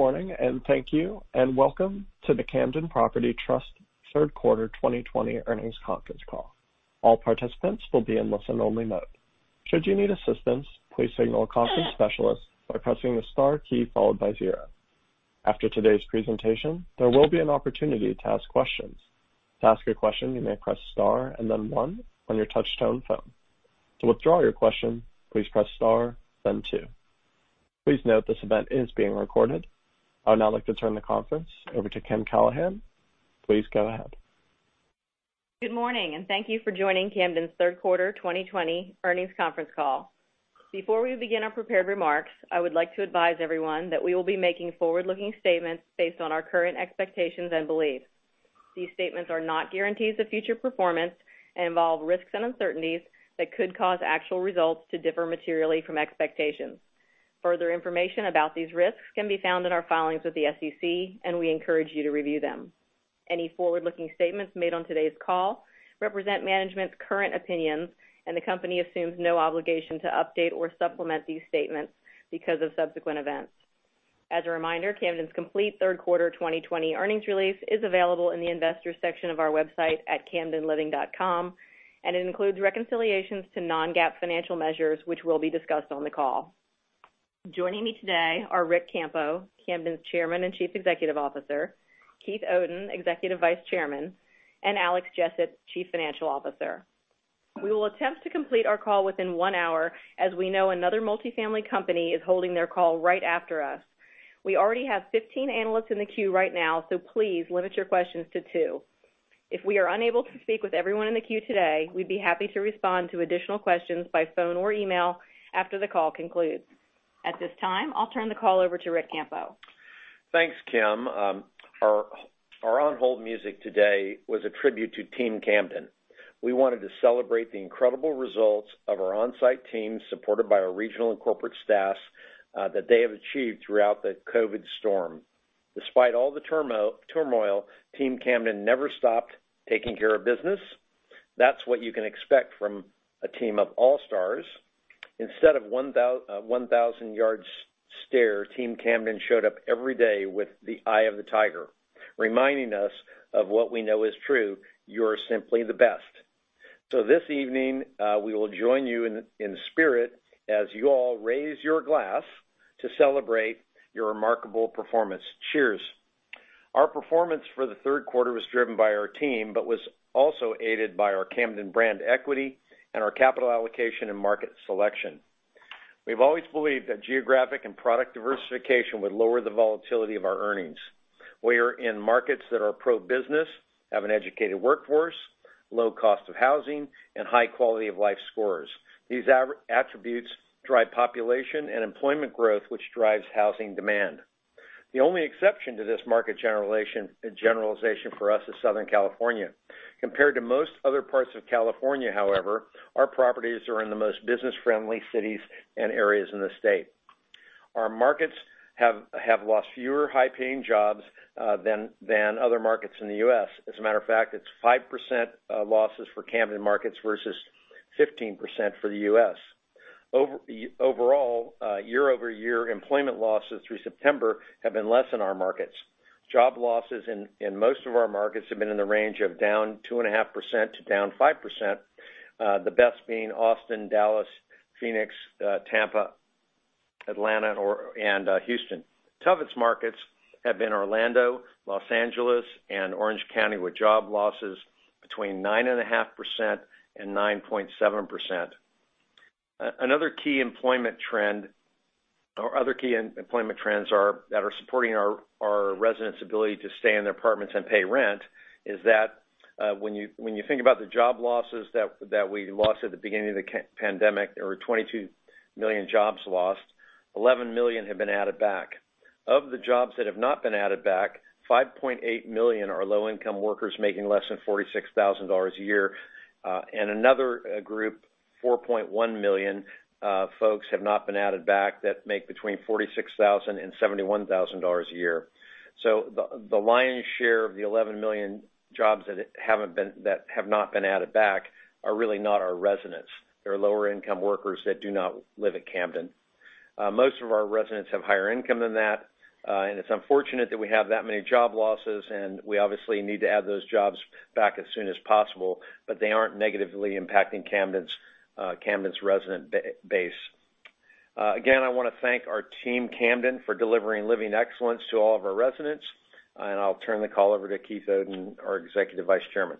Good morning, and thank you, and welcome to the Camden Property Trust third quarter 2020 earnings conference call. All participants would be in listen only mode. Should you need assistants, please signal the conference specialist by pressing the star key followed by zero. After today presentation there will be an opportunity to ask questions. To ask a question you may press star and then one on touchtone phone. To withdraw your question please press star then two. Please note that this even is been recorded. I would now like to turn the conference over to Kim Callahan. Please go ahead. Good morning, and thank you for joining Camden's third quarter 2020 earnings conference call. Before we begin our prepared remarks, I would like to advise everyone that we will be making forward-looking statements based on our current expectations and beliefs. These statements are not guarantees of future performance and involve risks and uncertainties that could cause actual results to differ materially from expectations. Further information about these risks can be found in our filings with the SEC. We encourage you to review them. Any forward-looking statements made on today's call represent management's current opinions, and the company assumes no obligation to update or supplement these statements because of subsequent events. As a reminder, Camden's complete third quarter 2020 earnings release is available in the Investors section of our website at camdenliving.com, and it includes reconciliations to non-GAAP financial measures, which will be discussed on the call. Joining me today are Ric Campo, Camden's Chairman and Chief Executive Officer; Keith Oden, Executive Vice Chairman; and Alex Jessett, Chief Financial Officer. We will attempt to complete our call within one hour, as we know another multifamily company is holding their call right after us. We already have 15 analysts in the queue right now, so please limit your questions to two. If we are unable to speak with everyone in the queue today, we'd be happy to respond to additional questions by phone or email after the call concludes. At this time, I'll turn the call over to Ric Campo. Thanks, Kim. Our on-hold music today was a tribute to Team Camden. We wanted to celebrate the incredible results of our on-site team, supported by our regional and corporate staff, that they have achieved throughout the COVID storm. Despite all the turmoil, Team Camden never stopped taking care of business. That's what you can expect from a team of all-stars. Instead of 1,000-yard stare, Team Camden showed up every day with the eye of the tiger, reminding us of what we know is true, you're simply the best. This evening, we will join you in spirit as you all raise your glass to celebrate your remarkable performance. Cheers. Our performance for the third quarter was driven by our team, but was also aided by our Camden brand equity and our capital allocation and market selection. We've always believed that geographic and product diversification would lower the volatility of our earnings. We are in markets that are pro-business, have an educated workforce, low cost of housing, and high quality-of-life scores. These attributes drive population and employment growth, which drives housing demand. The only exception to this market generalization for us is Southern California. Compared to most other parts of California, however, our properties are in the most business-friendly cities and areas in the state. Our markets have lost fewer high-paying jobs than other markets in the U.S. As a matter of fact, it's 5% losses for Camden versus 15% for the U.S. Overall, year-over-year employment losses through September have been less in our markets. Job losses in most of our markets have been in the range of down 2.5% to down 5%. The best being Austin, Dallas, Phoenix, Tampa, Atlanta, and Houston. Toughest markets have been Orlando, Los Angeles, and Orange County, with job losses between 9.5% and 9.7%. Other key employment trends that are supporting our residents' ability to stay in their apartments and pay rent is that when you think about the job losses that we lost at the beginning of the pandemic, there were 22 million jobs lost, 11 million have been added back. Of the jobs that have not been added back, 5.8 million are low-income workers making less than $46,000 a year. Another group, 4.1 million folks have not been added back that make between $46,000 and $71,000 a year. The lion's share of the 11 million jobs that have not been added back are really not our residents. They're lower-income workers that do not live at Camden. Most of our residents have higher income than that. It's unfortunate that we have that many job losses, and we obviously need to add those jobs back as soon as possible, but they aren't negatively impacting Camden's resident base. Again, I want to thank our Team Camden for delivering living excellence to all of our residents, and I'll turn the call over to Keith Oden, our Executive Vice Chairman.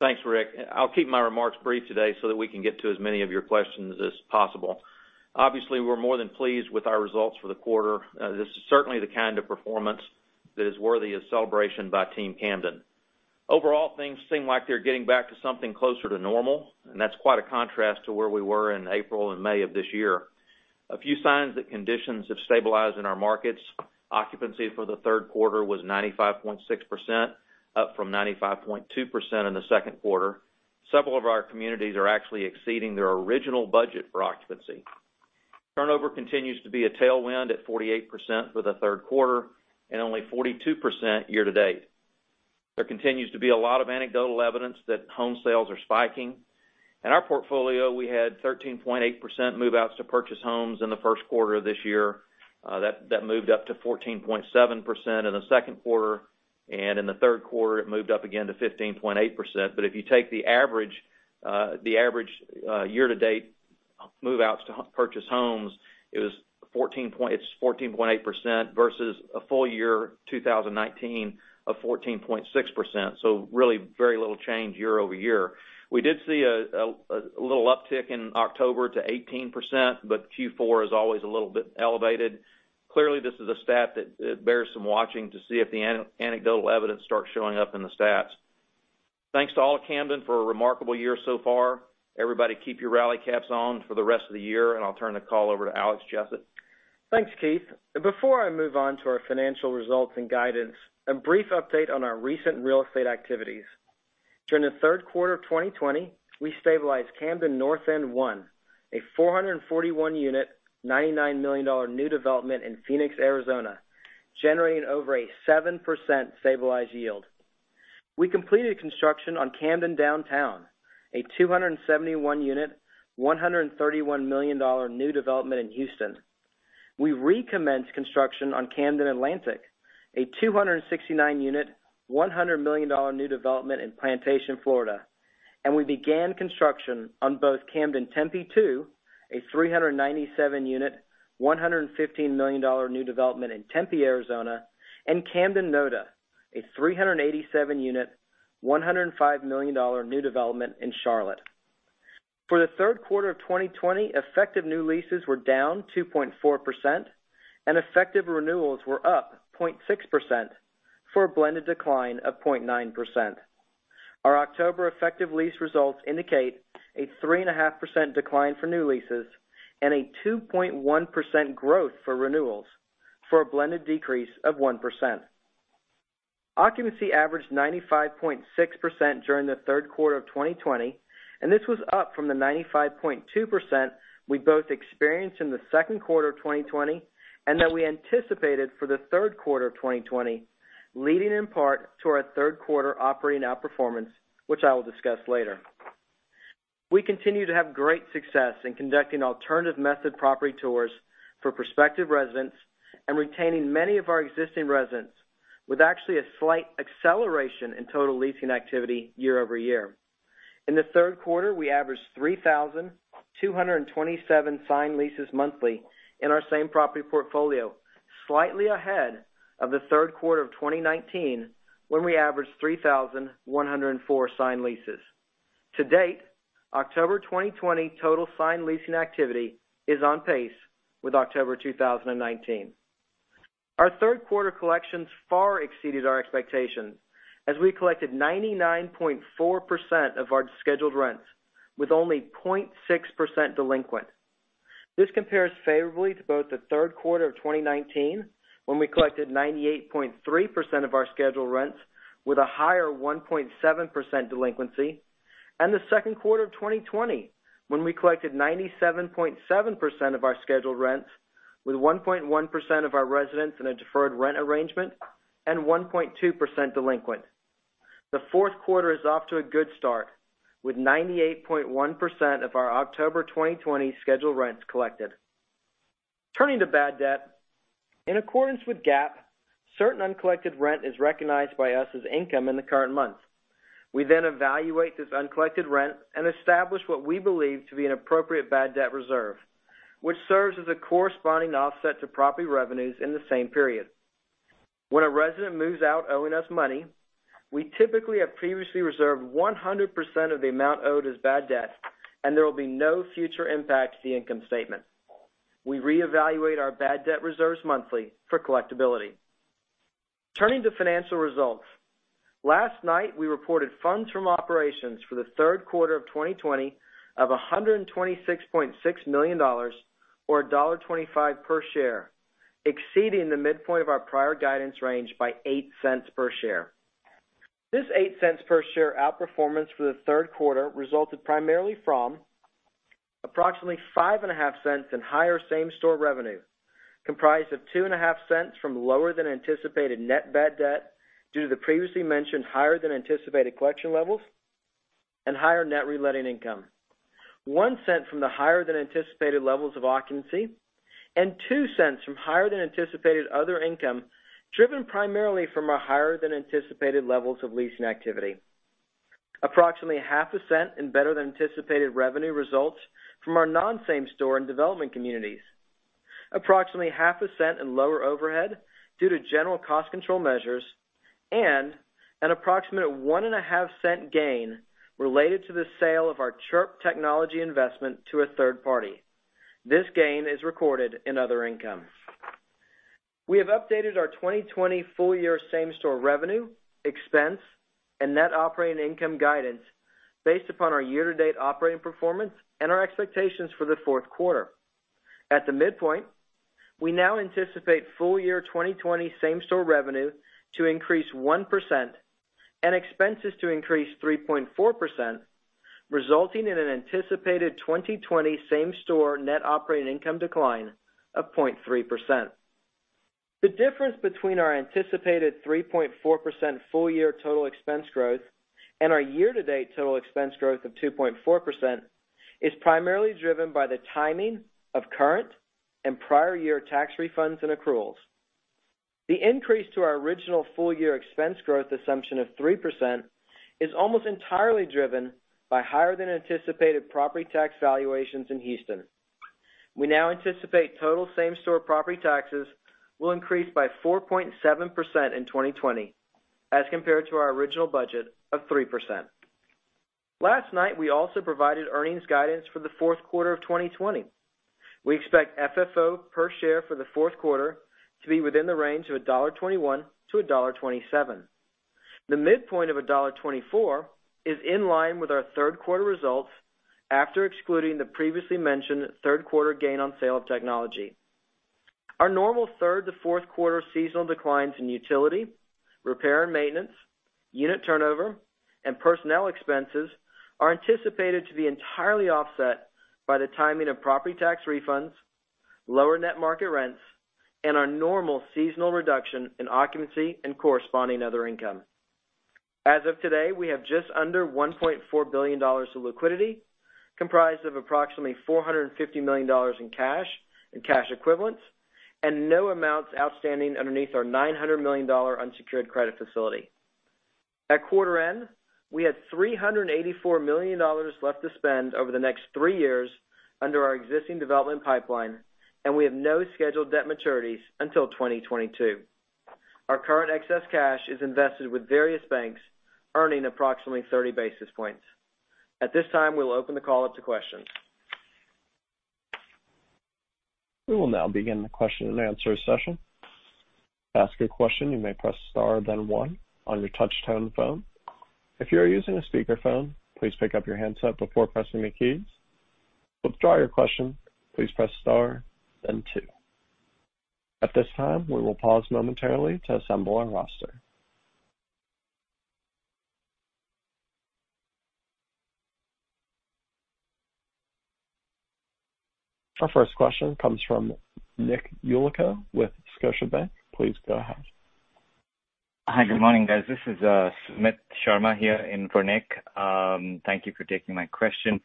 Thanks, Ric. I'll keep my remarks brief today so that we can get to as many of your questions as possible. Obviously, we're more than pleased with our results for the quarter. This is certainly the kind of performance that is worthy of celebration by Team Camden. Overall, things seem like they're getting back to something closer to normal, and that's quite a contrast to where we were in April and May of this year. A few signs that conditions have stabilized in our markets. Occupancy for the third quarter was 95.6%, up from 95.2% in the second quarter. Several of our communities are actually exceeding their original budget for occupancy. Turnover continues to be a tailwind at 48% for the third quarter and only 42% year to date. There continues to be a lot of anecdotal evidence that home sales are spiking. In our portfolio, we had 13.8% move-outs to purchase homes in the first quarter of this year. That moved up to 14.7% in the second quarter, and in the third quarter it moved up again to 15.8%. If you take the average year-to-date move-outs to purchase homes, it's 14.8% versus a full year 2019 of 14.6%. Really, very little change year-over-year. We did see a little uptick in October to 18%, but Q4 is always a little bit elevated. Clearly, this is a stat that bears some watching to see if the anecdotal evidence starts showing up in the stats. Thanks to all, Camden, for a remarkable year so far. Everybody keep your rally caps on for the rest of the year, and I'll turn the call over to Alex Jessett. Thanks, Keith. Before I move on to our financial results and guidance, a brief update on our recent real estate activities. During the third quarter of 2020, we stabilized Camden North End I, a 441-unit, $99 million new development in Phoenix, Arizona, generating over a 7% stabilized yield. We completed construction on Camden Downtown, a 271-unit, $131 million new development in Houston. We recommenced construction on Camden Atlantic, a 269-unit, $100 million new development in Plantation, Florida. We began construction on both Camden Tempe II, a 397-unit, $115 million new development in Tempe, Arizona, and Camden NoDa, a 387-unit, $105 million new development in Charlotte. For the third quarter of 2020, effective new leases were down 2.4%, and effective renewals were up 0.6%, for a blended decline of 0.9%. Our October effective lease results indicate a 3.5% decline for new leases and a 2.1% growth for renewals, for a blended decrease of 1%. Occupancy averaged 95.6% during the third quarter of 2020, and this was up from the 95.2% we both experienced in the second quarter of 2020, and that we anticipated for the third quarter of 2020, leading in part to our third quarter operating outperformance, which I will discuss later. We continue to have great success in conducting alternative method property tours for prospective residents and retaining many of our existing residents with actually a slight acceleration in total leasing activity year-over-year. In the third quarter, we averaged 3,227 signed leases monthly in our same property portfolio, slightly ahead of the third quarter of 2019, when we averaged 3,104 signed leases. To date, October 2020 total signed leasing activity is on pace with October 2019. Our third quarter collections far exceeded our expectations as we collected 99.4% of our scheduled rents with only 0.6% delinquent. This compares favorably to both the third quarter of 2019, when we collected 98.3% of our scheduled rents with a higher 1.7% delinquency, and the second quarter of 2020, when we collected 97.7% of our scheduled rents with 1.1% of our residents in a deferred rent arrangement and 1.2% delinquent. The fourth quarter is off to a good start with 98.1% of our October 2020 scheduled rents collected. Turning to bad debt. In accordance with GAAP, certain uncollected rent is recognized by us as income in the current month. We then evaluate this uncollected rent and establish what we believe to be an appropriate bad debt reserve, which serves as a corresponding offset to property revenues in the same period. When a resident moves out owing us money, we typically have previously reserved 100% of the amount owed as bad debt, and there will be no future impact to the income statement. We reevaluate our bad debt reserves monthly for collectability. Turning to financial results. Last night, we reported Funds from operations for the third quarter of 2020 of $126.6 million, or $1.25 per share, exceeding the midpoint of our prior guidance range by $0.08 per share. This $0.08 per share outperformance for the third quarter resulted primarily from approximately $0.055 in higher same store revenue, comprised of $0.025 from lower than anticipated net bad debt due to the previously mentioned higher than anticipated collection levels and higher net reletting income. $0.01 from the higher than anticipated levels of occupancy, and $0.02 from higher than anticipated Other Income driven primarily from our higher than anticipated levels of leasing activity. Approximately $0.005 in better-than-anticipated revenue results from our non-same store and development communities. Approximately $0.005 in lower overhead due to general cost control measures and an approximate $0.015 gain related to the sale of our Chirp Technology investment to a third party. This gain is recorded in Other Income. We have updated our 2020 full year same store revenue, expense, and Net Operating Income guidance based upon our year-to-date operating performance and our expectations for the fourth quarter. At the midpoint, we now anticipate full year 2020 same store revenue to increase 1% and expenses to increase 3.4%. Resulting in an anticipated 2020 same-store Net Operating Income decline of 0.3%. The difference between our anticipated 3.4% full-year total expense growth and our year-to-date total expense growth of 2.4% is primarily driven by the timing of current and prior year tax refunds and accruals. The increase to our original full-year expense growth assumption of 3% is almost entirely driven by higher than anticipated property tax valuations in Houston. We now anticipate total same-store property taxes will increase by 4.7% in 2020 as compared to our original budget of 3%. Last night, we also provided earnings guidance for the fourth quarter of 2020. We expect FFO per share for the fourth quarter to be within the range of $1.21-$1.27. The midpoint of $1.24 is in line with our third quarter results after excluding the previously mentioned third quarter gain on sale of technology. Our normal third to fourth quarter seasonal declines in utility, repair and maintenance, unit turnover, and personnel expenses are anticipated to be entirely offset by the timing of property tax refunds, lower net market rents, and our normal seasonal reduction in occupancy and corresponding other income. As of today, we have just under $1.4 billion of liquidity, comprised of approximately $450 million in cash and cash equivalents, and no amounts outstanding underneath our $900 million unsecured credit facility. At quarter end, we had $384 million left to spend over the next three years under our existing development pipeline, and we have no scheduled debt maturities until 2022. Our current excess cash is invested with various banks, earning approximately 30 basis points. At this time, we'll open the call up to questions. We will now begin a question and answer session. To ask a question you may press star then one on your touchtone phone. If you are using a speaker phone, please pick up your handset before pressing the key. To withdraw your question please press star then two. At this time we will pause momentarily to assemble the roster. Our first question comes from Nick Yulico with Scotiabank. Please go ahead. Hi, good morning guys. This is Sumit Sharma here in for Nick. Thank you for taking my question.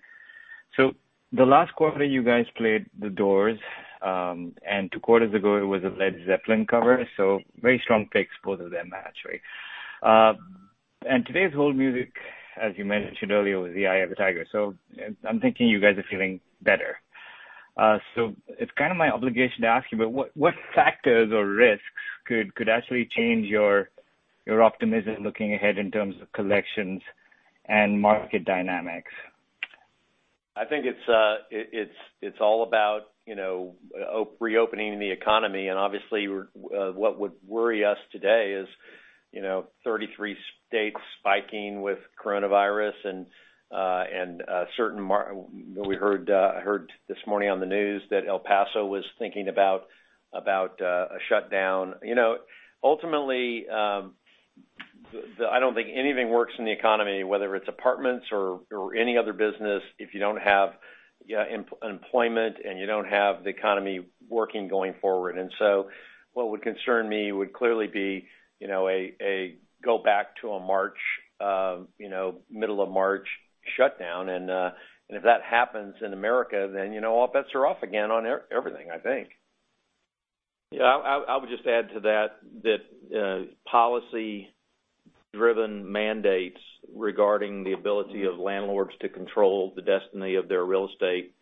The last quarter you guys played The Doors, and two quarters ago it was a Led Zeppelin cover, very strong picks, both of them actually. Today's hold music, as you mentioned earlier, was "The Eye of the Tiger." I'm thinking you guys are feeling better. It's kind of my obligation to ask you, but what factors or risks could actually change your optimism looking ahead in terms of collections and market dynamics? I think it's all about reopening the economy. Obviously, what would worry us today is 33 states spiking with coronavirus, and we heard this morning on the news that El Paso was thinking about a shutdown. Ultimately, I don't think anything works in the economy, whether it's apartments or any other business, if you don't have employment and you don't have the economy working going forward. What would concern me would clearly be a go back to a middle of March shutdown. If that happens in America, then all bets are off again on everything, I think. Yeah, I would just add to that policy-driven mandates regarding the ability of landlords to control the destiny of their real estate,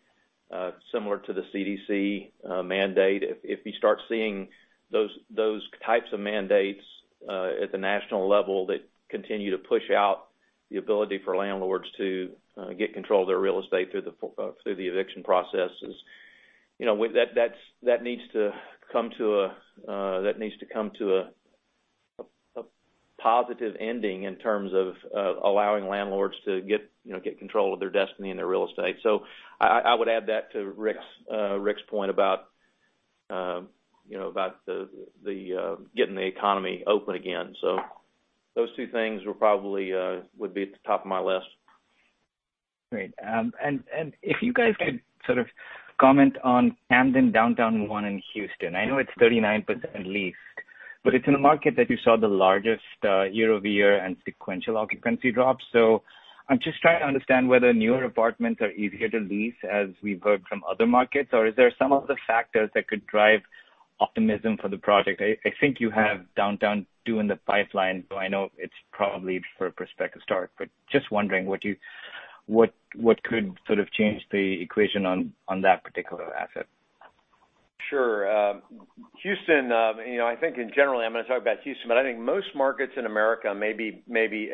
similar to the CDC mandate. If you start seeing those types of mandates at the national level that continue to push out the ability for landlords to get control of their real estate through the eviction processes. That needs to come to a positive ending in terms of allowing landlords to get control of their destiny and their real estate. I would add that to Ric's point about getting the economy open again. Those two things would probably be at the top of my list. Great. If you guys could sort of comment on Camden Downtown I in Houston. I know it's 39% leased, but it's in the market that you saw the largest year-over-year and sequential occupancy drop. I'm just trying to understand whether newer apartments are easier to lease, as we've heard from other markets, or is there some of the factors that could drive optimism for the project? I think you have Downtown II in the pipeline, so I know it's probably for a prospective start, but just wondering what could sort of change the equation on that particular asset. Sure. Houston, I think in general, I'm going to talk about Houston. I think most markets in America, maybe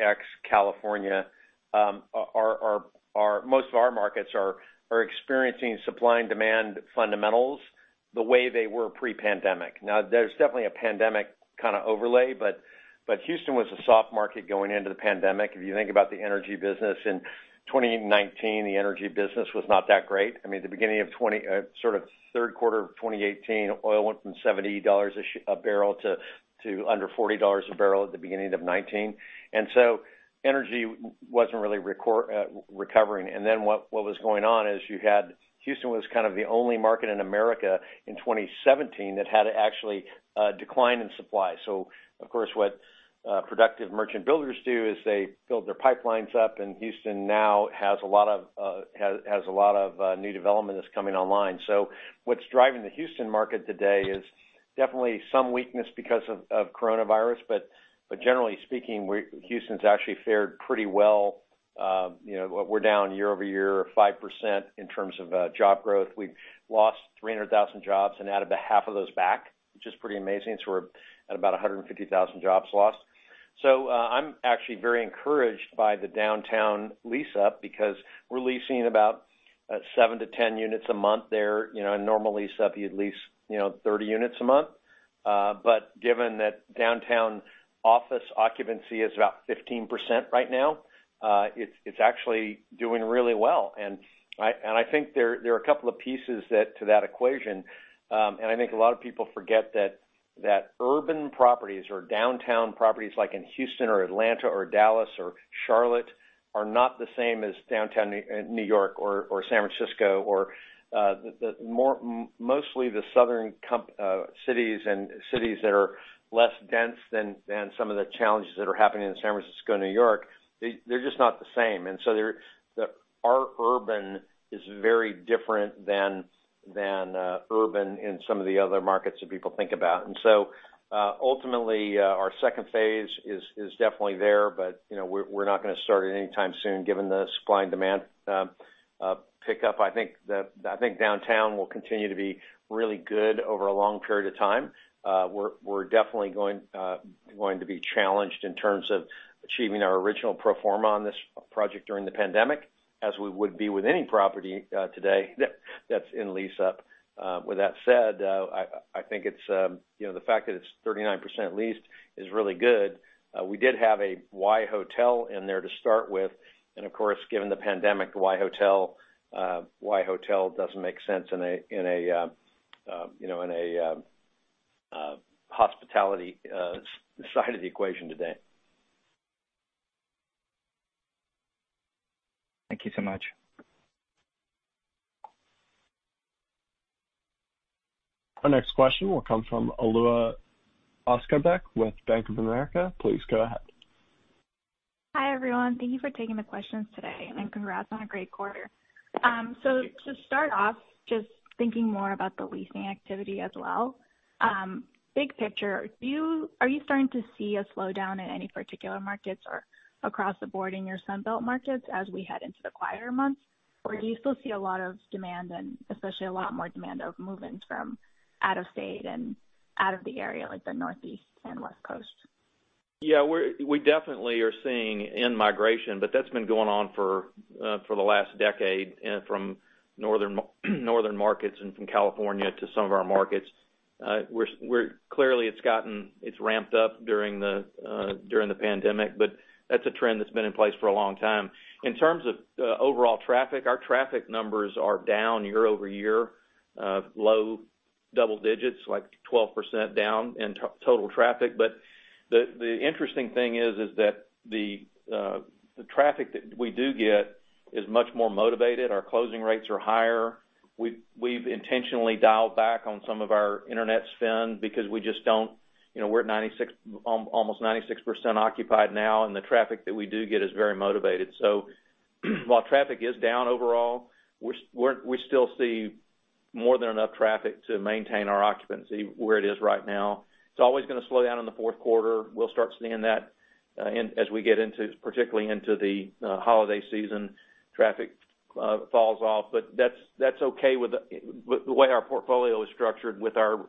ex California, most of our markets are experiencing supply and demand fundamentals. The way they were pre-pandemic. There's definitely a pandemic kind of overlay, but Houston was a soft market going into the pandemic. If you think about the energy business in 2019, the energy business was not that great. The beginning of sort of third quarter of 2018, oil went from $70 a barrel to under $40 a barrel at the beginning of 2019. Energy wasn't really recovering. What was going on is you had Houston was kind of the only market in America in 2017 that had actually a decline in supply. Of course, what productive merchant builders do is they build their pipelines up, and Houston now has a lot of new development that's coming online. What's driving the Houston market today is definitely some weakness because of coronavirus, but generally speaking, Houston's actually fared pretty well. We're down year-over-year 5% in terms of job growth. We've lost 300,000 jobs and added about half of those back, which is pretty amazing. We're at about 150,000 jobs lost. I'm actually very encouraged by the downtown lease-up because we're leasing about seven to 10 units a month there. In normal lease-up, you'd lease 30 units a month. Given that downtown office occupancy is about 15% right now, it's actually doing really well. I think there are a couple of pieces to that equation. I think a lot of people forget that urban properties or downtown properties like in Houston or Atlanta or Dallas or Charlotte are not the same as downtown New York or San Francisco or mostly the southern cities and cities that are less dense than some of the challenges that are happening in San Francisco, New York. They're just not the same. Our urban is very different than urban in some of the other markets that people think about. Ultimately, our second phase is definitely there, but we're not going to start it anytime soon given the supply and demand pickup. I think downtown will continue to be really good over a long period of time. We're definitely going to be challenged in terms of achieving our original pro forma on this project during the pandemic, as we would be with any property today that's in lease-up. With that said, I think the fact that it's 39% leased is really good. We did have a WhyHotel in there to start with, and of course, given the pandemic, the WhyHotel doesn't make sense in a hospitality side of the equation today. Thank you so much. Our next question will come from Alua Askarbek with Bank of America. Please go ahead. Hi, everyone. Thank you for taking the questions today. Congrats on a great quarter. Thank you. To start off, just thinking more about the leasing activity as well. Big picture, are you starting to see a slowdown in any particular markets or across the board in your Sun Belt markets as we head into the quieter months? Do you still see a lot of demand and especially a lot more demand of move-ins from out of state and out of the area, like the Northeast and West Coast? Yeah, we definitely are seeing in-migration, but that's been going on for the last decade from northern markets and from California to some of our markets. Clearly, it's ramped up during the pandemic, but that's a trend that's been in place for a long time. In terms of overall traffic, our traffic numbers are down year-over-year, low double digits, like 12% down in total traffic. The interesting thing is that the traffic that we do get is much more motivated. Our closing rates are higher. We've intentionally dialed back on some of our internet spend because we're at almost 96% occupied now, and the traffic that we do get is very motivated. While traffic is down overall, we still see more than enough traffic to maintain our occupancy where it is right now. It's always going to slow down in the fourth quarter. We'll start seeing that as we get particularly into the holiday season. Traffic falls off, that's okay with the way our portfolio is structured with our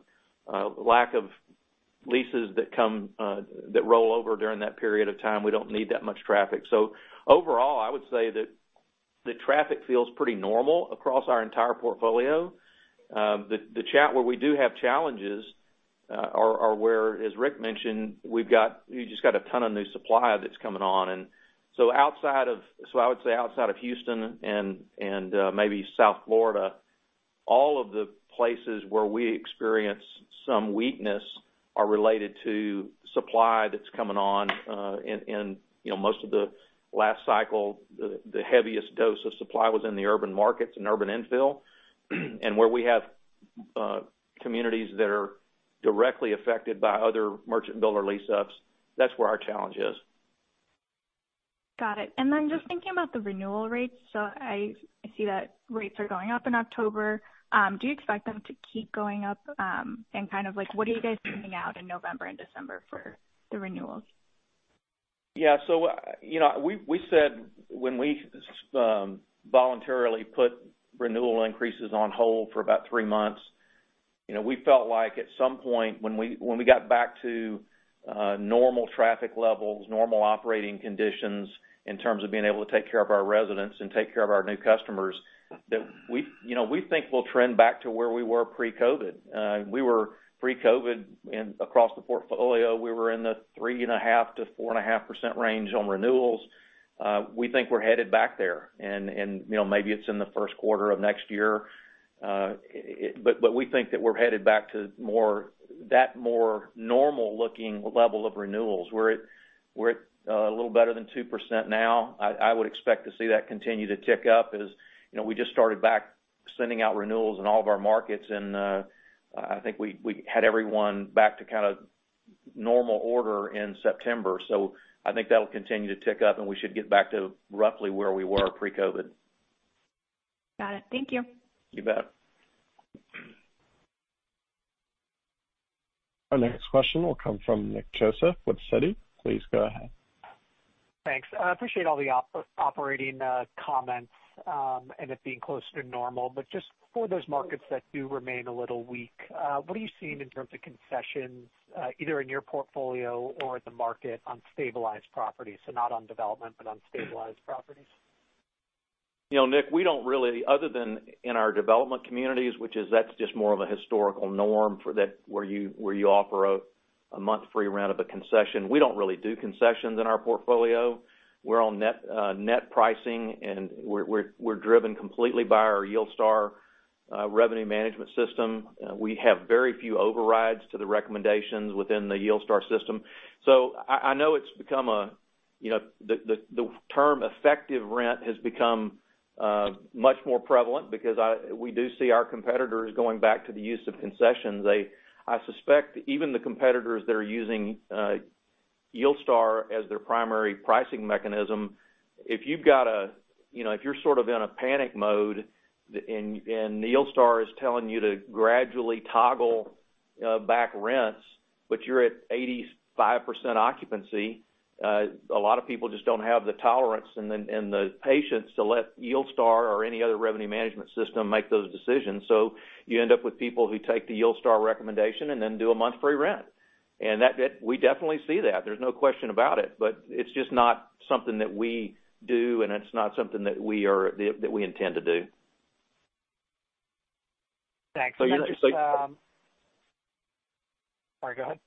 lack of leases that roll over during that period of time. We don't need that much traffic. Overall, I would say that the traffic feels pretty normal across our entire portfolio. The chat where we do have challenges are where, as Ric mentioned, we've just got a ton of new supply that's coming on. I would say outside of Houston and maybe South Florida, all of the places where we experience some weakness are related to supply that's coming on in most of the last cycle. The heaviest dose of supply was in the urban markets and urban infill, where we have communities that are directly affected by other merchant builder lease-ups. That's where our challenge is. Got it. Just thinking about the renewal rates. I see that rates are going up in October. Do you expect them to keep going up? kind of like, what are you guys sending out in November and December for the renewals? Yeah. We said when we voluntarily put renewal increases on hold for about three months, we felt like at some point when we got back to normal traffic levels, normal operating conditions in terms of being able to take care of our residents and take care of our new customers, that we think we'll trend back to where we were pre-COVID. We were pre-COVID across the portfolio. We were in the 3.5%-4.5% range on renewals. We think we're headed back there, and maybe it's in the first quarter of next year. We think that we're headed back to that more normal-looking level of renewals. We're at a little better than 2% now. I would expect to see that continue to tick up as we just started back sending out renewals in all of our markets, and I think we had everyone back to kind of normal order in September. I think that'll continue to tick up, and we should get back to roughly where we were pre-COVID. Got it. Thank you. You bet. Our next question will come from Nick Joseph with Citi. Please go ahead. Thanks. I appreciate all the operating comments, and it being closer to normal. Just for those markets that do remain a little weak, what are you seeing in terms of concessions, either in your portfolio or the market on stabilized properties? Not on development, but on stabilized properties. Nick, other than in our development communities, which is just more of a historical norm where you offer a month free rent of a concession, we don't really do concessions in our portfolio. We're on net pricing, and we're driven completely by our YieldStar revenue management system. We have very few overrides to the recommendations within the YieldStar system. I know the term effective rent has become much more prevalent because we do see our competitors going back to the use of concessions. I suspect even the competitors that are using YieldStar as their primary pricing mechanism, if you're sort of in a panic mode and YieldStar is telling you to gradually toggle back rents, but you're at 85% occupancy, a lot of people just don't have the tolerance and the patience to let YieldStar or any other revenue management system make those decisions. You end up with people who take the YieldStar recommendation and then do a month free rent. We definitely see that. There's no question about it, but it's just not something that we do, and it's not something that we intend to do. Thanks. So you're not going to see- Sorry, go ahead.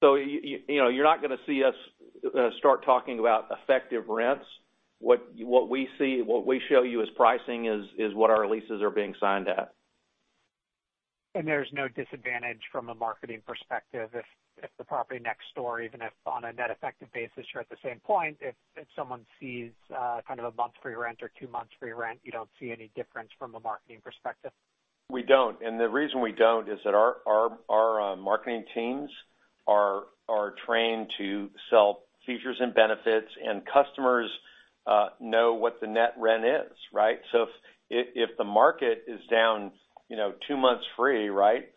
You're not going to see us start talking about effective rents. What we show you as pricing is what our leases are being signed at. There's no disadvantage from a marketing perspective if the property next door, even if on a net effective basis, you're at the same point, if someone sees kind of a month free rent or two months free rent, you don't see any difference from a marketing perspective? We don't. The reason we don't is that our marketing teams are trained to sell features and benefits, and customers know what the net rent is, right? If the market is down two months free,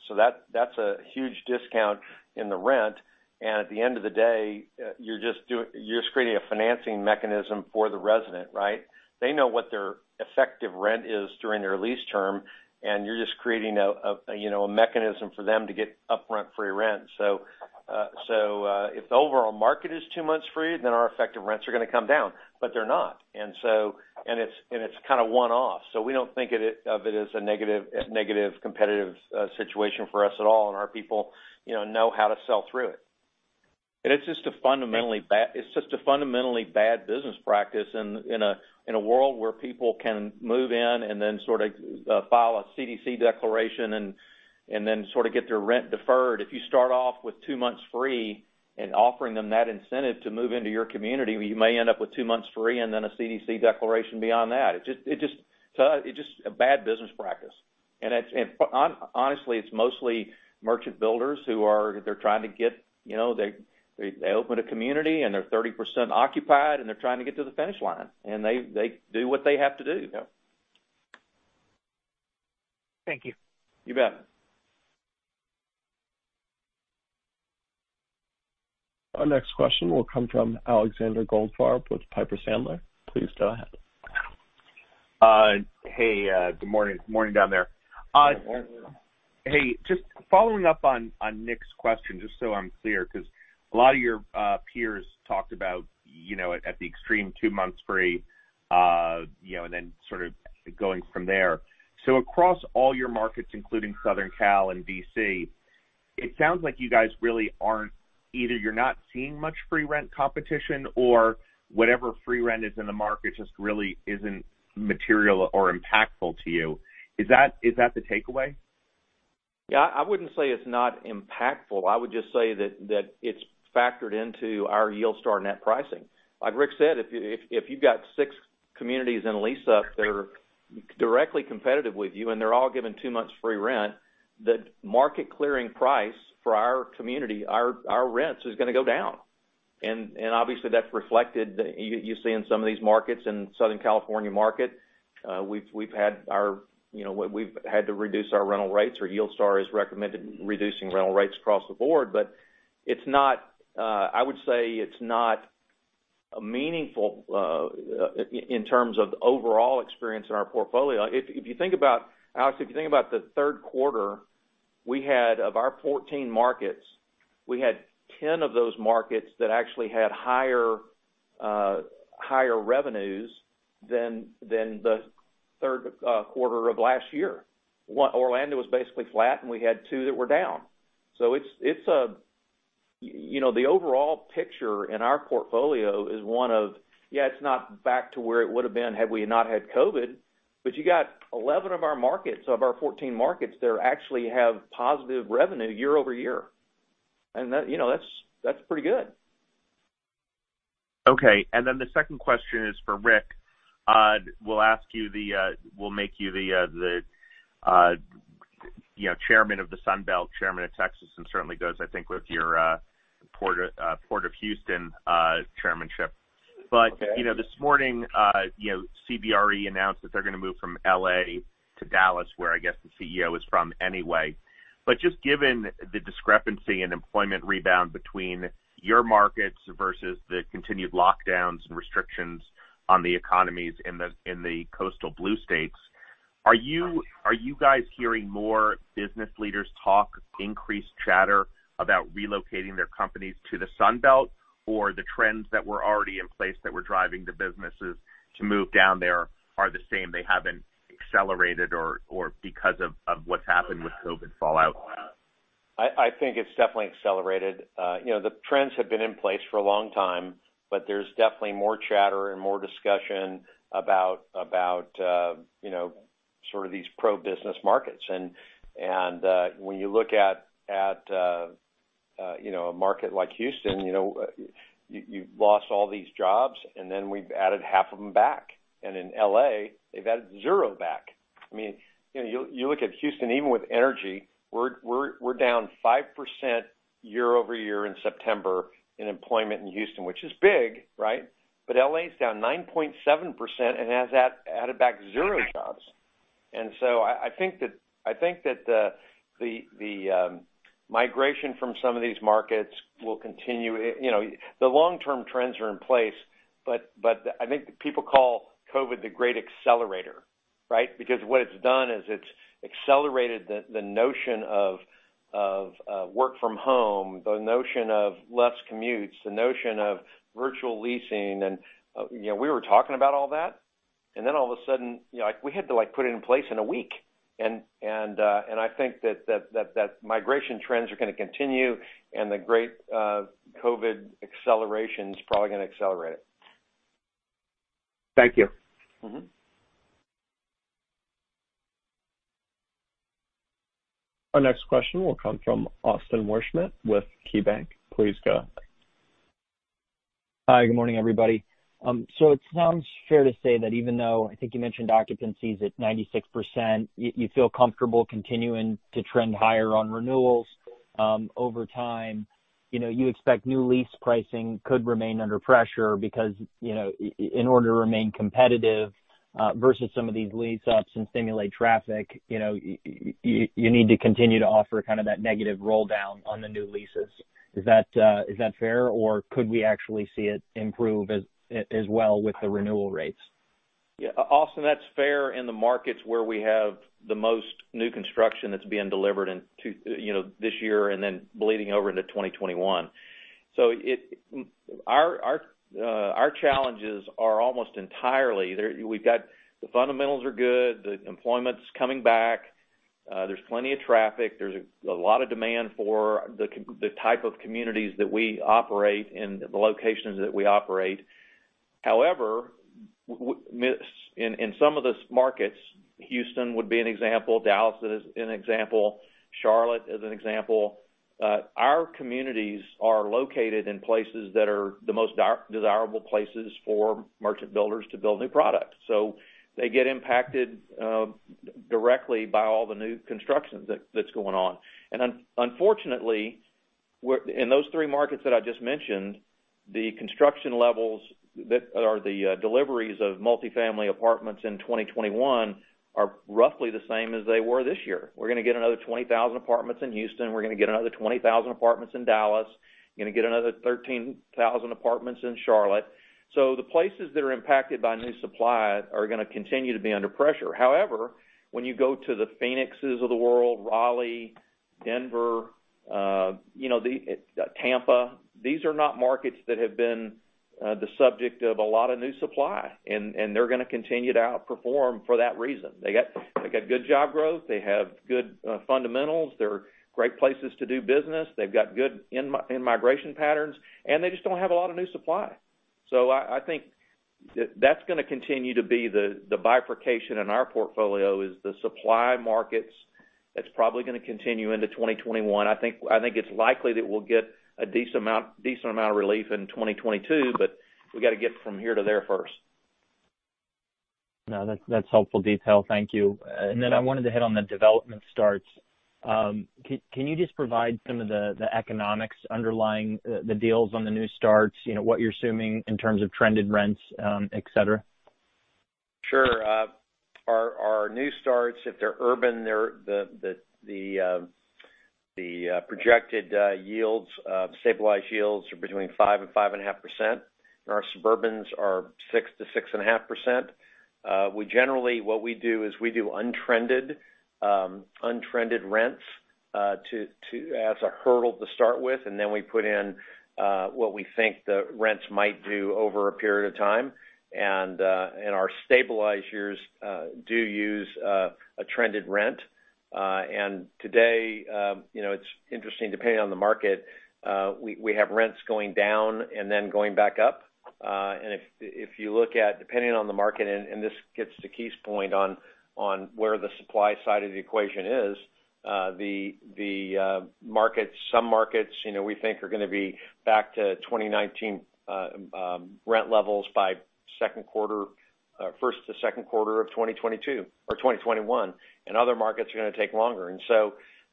so that's a huge discount in the rent, and at the end of the day, you're just creating a financing mechanism for the resident. They know what their effective rent is during their lease term, and you're just creating a mechanism for them to get upfront free rent. If the overall market is two months free, then our effective rents are going to come down. They're not. It's kind of one-off. We don't think of it as a negative competitive situation for us at all, and our people know how to sell through it. It's just a fundamentally bad business practice in a world where people can move in and then sort of file a CDC declaration and then sort of get their rent deferred. If you start off with two months free and offering them that incentive to move into your community, you may end up with two months free and then a CDC declaration beyond that. It's just a bad business practice. Honestly, it's mostly merchant builders, they open a community, and they're 30% occupied, and they're trying to get to the finish line, and they do what they have to do. Yeah. Thank you. You bet. Our next question will come from Alexander Goldfarb with Piper Sandler. Please go ahead. Hey, good morning. Morning down there. Good morning. Hey, just following up on Nick's question, just so I'm clear, because a lot of your peers talked about at the extreme two months free, then sort of going from there. Across all your markets, including Southern Cal and D.C., it sounds like you guys really aren't, either you're not seeing much free rent competition or whatever free rent is in the market just really isn't material or impactful to you. Is that the takeaway? Yeah, I wouldn't say it's not impactful. I would just say that it's factored into our YieldStar net pricing. Like Ric said, if you've got six communities in lease up that are directly competitive with you, and they're all given two months free rent, the market clearing price for our community, our rents is going to go down. Obviously, that's reflected. You see in some of these markets, in Southern California market, we've had to reduce our rental rates, or YieldStar has recommended reducing rental rates across the board. I would say it's not a meaningful, in terms of overall experience in our portfolio. Alex, if you think about the third quarter, we had, of our 14 markets, we had 10 of those markets that actually had higher revenues than the third quarter of last year. Orlando was basically flat, and we had two that were down. The overall picture in our portfolio is one of, yeah, it's not back to where it would've been had we not had COVID, but you got 11 of our markets, of our 14 markets there actually have positive revenue year-over-year. That's pretty good. Okay. Then the second question is for Ric. We'll make you the chairman of the Sun Belt, chairman of Texas, and certainly goes, I think, with your Port of Houston chairmanship. Okay. This morning, CBRE announced that they're going to move from L.A. to Dallas, where I guess the CEO is from anyway. Just given the discrepancy in employment rebound between your markets versus the continued lockdowns and restrictions on the economies in the coastal blue states, are you guys hearing more business leaders talk increased chatter about relocating their companies to the Sun Belt, or the trends that were already in place that were driving the businesses to move down there are the same, they haven't accelerated or because of what's happened with COVID fallout? I think it's definitely accelerated. The trends have been in place for a long time, there's definitely more chatter and more discussion about sort of these pro-business markets. When you look at a market like Houston, you've lost all these jobs, then we've added half of them back. In L.A., they've added zero back. You look at Houston, even with energy, we're down 5% year-over-year in September in employment in Houston, which is big, right? L.A. is down 9.7% and has added back zero jobs. I think that the migration from some of these markets will continue. The long-term trends are in place, I think people call COVID the great accelerator, right? What it's done is it's accelerated the notion of work from home, the notion of less commutes, the notion of virtual leasing, and we were talking about all that. All of a sudden, we had to put it in place in a week. I think that migration trends are going to continue, and the great COVID acceleration's probably going to accelerate it. Thank you. Our next question will come from Austin Wurschmidt with KeyBanc. Please go. Hi, good morning, everybody. It sounds fair to say that even though, I think you mentioned occupancy is at 96%, you feel comfortable continuing to trend higher on renewals over time. You expect new lease pricing could remain under pressure because, in order to remain competitive versus some of these lease-ups and stimulate traffic, you need to continue to offer kind of that negative roll-down on the new leases. Is that fair, or could we actually see it improve as well with the renewal rates? Austin, that's fair in the markets where we have the most new construction that's being delivered this year and then bleeding over into 2021. Our challenges are almost entirely, we've got the fundamentals are good, the employment's coming back, there's plenty of traffic, there's a lot of demand for the type of communities that we operate and the locations that we operate. However, in some of those markets, Houston would be an example, Dallas is an example, Charlotte is an example, our communities are located in places that are the most desirable places for merchant builders to build new product. They get impacted directly by all the new construction that's going on. Unfortunately, in those three markets that I just mentioned, the construction levels or the deliveries of multi-family apartments in 2021 are roughly the same as they were this year. We're going to get another 20,000 apartments in Houston, we're going to get another 20,000 apartments in Dallas, going to get another 13,000 apartments in Charlotte. The places that are impacted by new supply are going to continue to be under pressure. However, when you go to the Phoenixes of the world, Raleigh, Denver, Tampa, these are not markets that have been the subject of a lot of new supply, and they're going to continue to outperform for that reason. They got good job growth, they have good fundamentals, they're great places to do business, they've got good in-migration patterns, and they just don't have a lot of new supply. I think that's going to continue to be the bifurcation in our portfolio, is the supply markets, that's probably going to continue into 2021. I think it's likely that we'll get a decent amount of relief in 2022, but we got to get from here to there first. No, that's helpful detail. Thank you. I wanted to hit on the development starts. Can you just provide some of the economics underlying the deals on the new starts, what you're assuming in terms of trended rents, etc? Sure. Our new starts, if they're urban, the projected stabilized yields are between 5%-5.5%, and our suburbans are 6%-6.5%. We generally, what we do is we do untrended rents as a hurdle to start with, and then we put in what we think the rents might do over a period of time. Our stabilizers do use a trended rent. Today, it's interesting, depending on the market, we have rents going down and then going back up. If you look at, depending on the market, and this gets to Keith's point on where the supply side of the equation is, some markets we think are going to be back to 2019 rent levels by first to second quarter of 2022 or 2021, and other markets are going to take longer.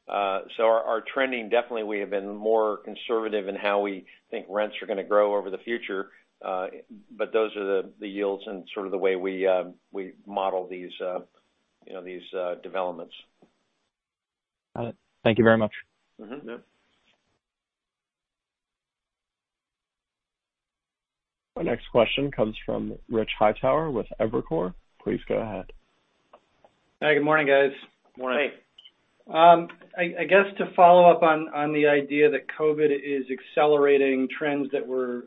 Our trending, definitely, we have been more conservative in how we think rents are going to grow over the future. Those are the yields and sort of the way we model these developments. Got it. Thank you very much. Mm-hmm. Yep. Our next question comes from Rich Hightower with Evercore. Please go ahead. Hi. Good morning, guys. Morning. Hey. I guess to follow up on the idea that COVID is accelerating trends that were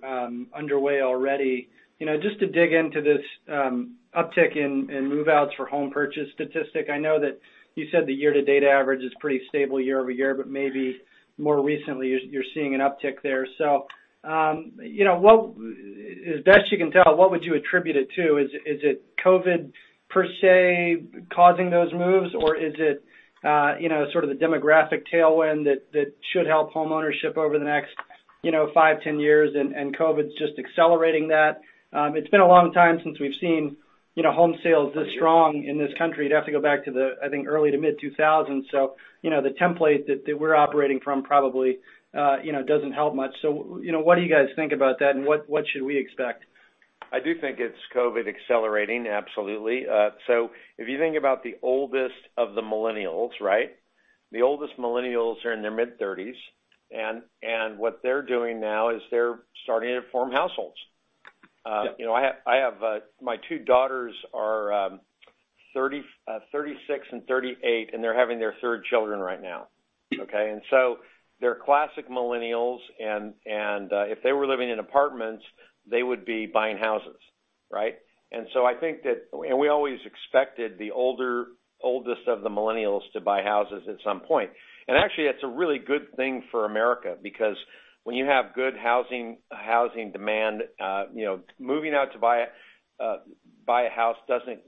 underway already. Just to dig into this uptick in move-outs for home purchase statistic, I know that you said the year-to-date average is pretty stable year-over-year, but maybe more recently, you're seeing an uptick there. As best you can tell, what would you attribute it to? Is it COVID per se causing those moves, or is it sort of the demographic tailwind that should help homeownership over the next five, 10 years, and COVID's just accelerating that? It's been a long time since we've seen home sales this strong in this country. You'd have to go back to, I think, early to mid-2000s. The template that we're operating from probably doesn't help much. What do you guys think about that, and what should we expect? I do think it's COVID accelerating, absolutely. If you think about the oldest of the millennials. The oldest millennials are in their mid-30s, and what they're doing now is they're starting to form households. Yep. My two daughters are 36 and 38, and they're having their third children right now. Okay. They're classic millennials, and if they were living in apartments, they would be buying houses. Right. We always expected the oldest of the millennials to buy houses at some point. Actually, that's a really good thing for America because when you have good housing demand, moving out to buy a house doesn't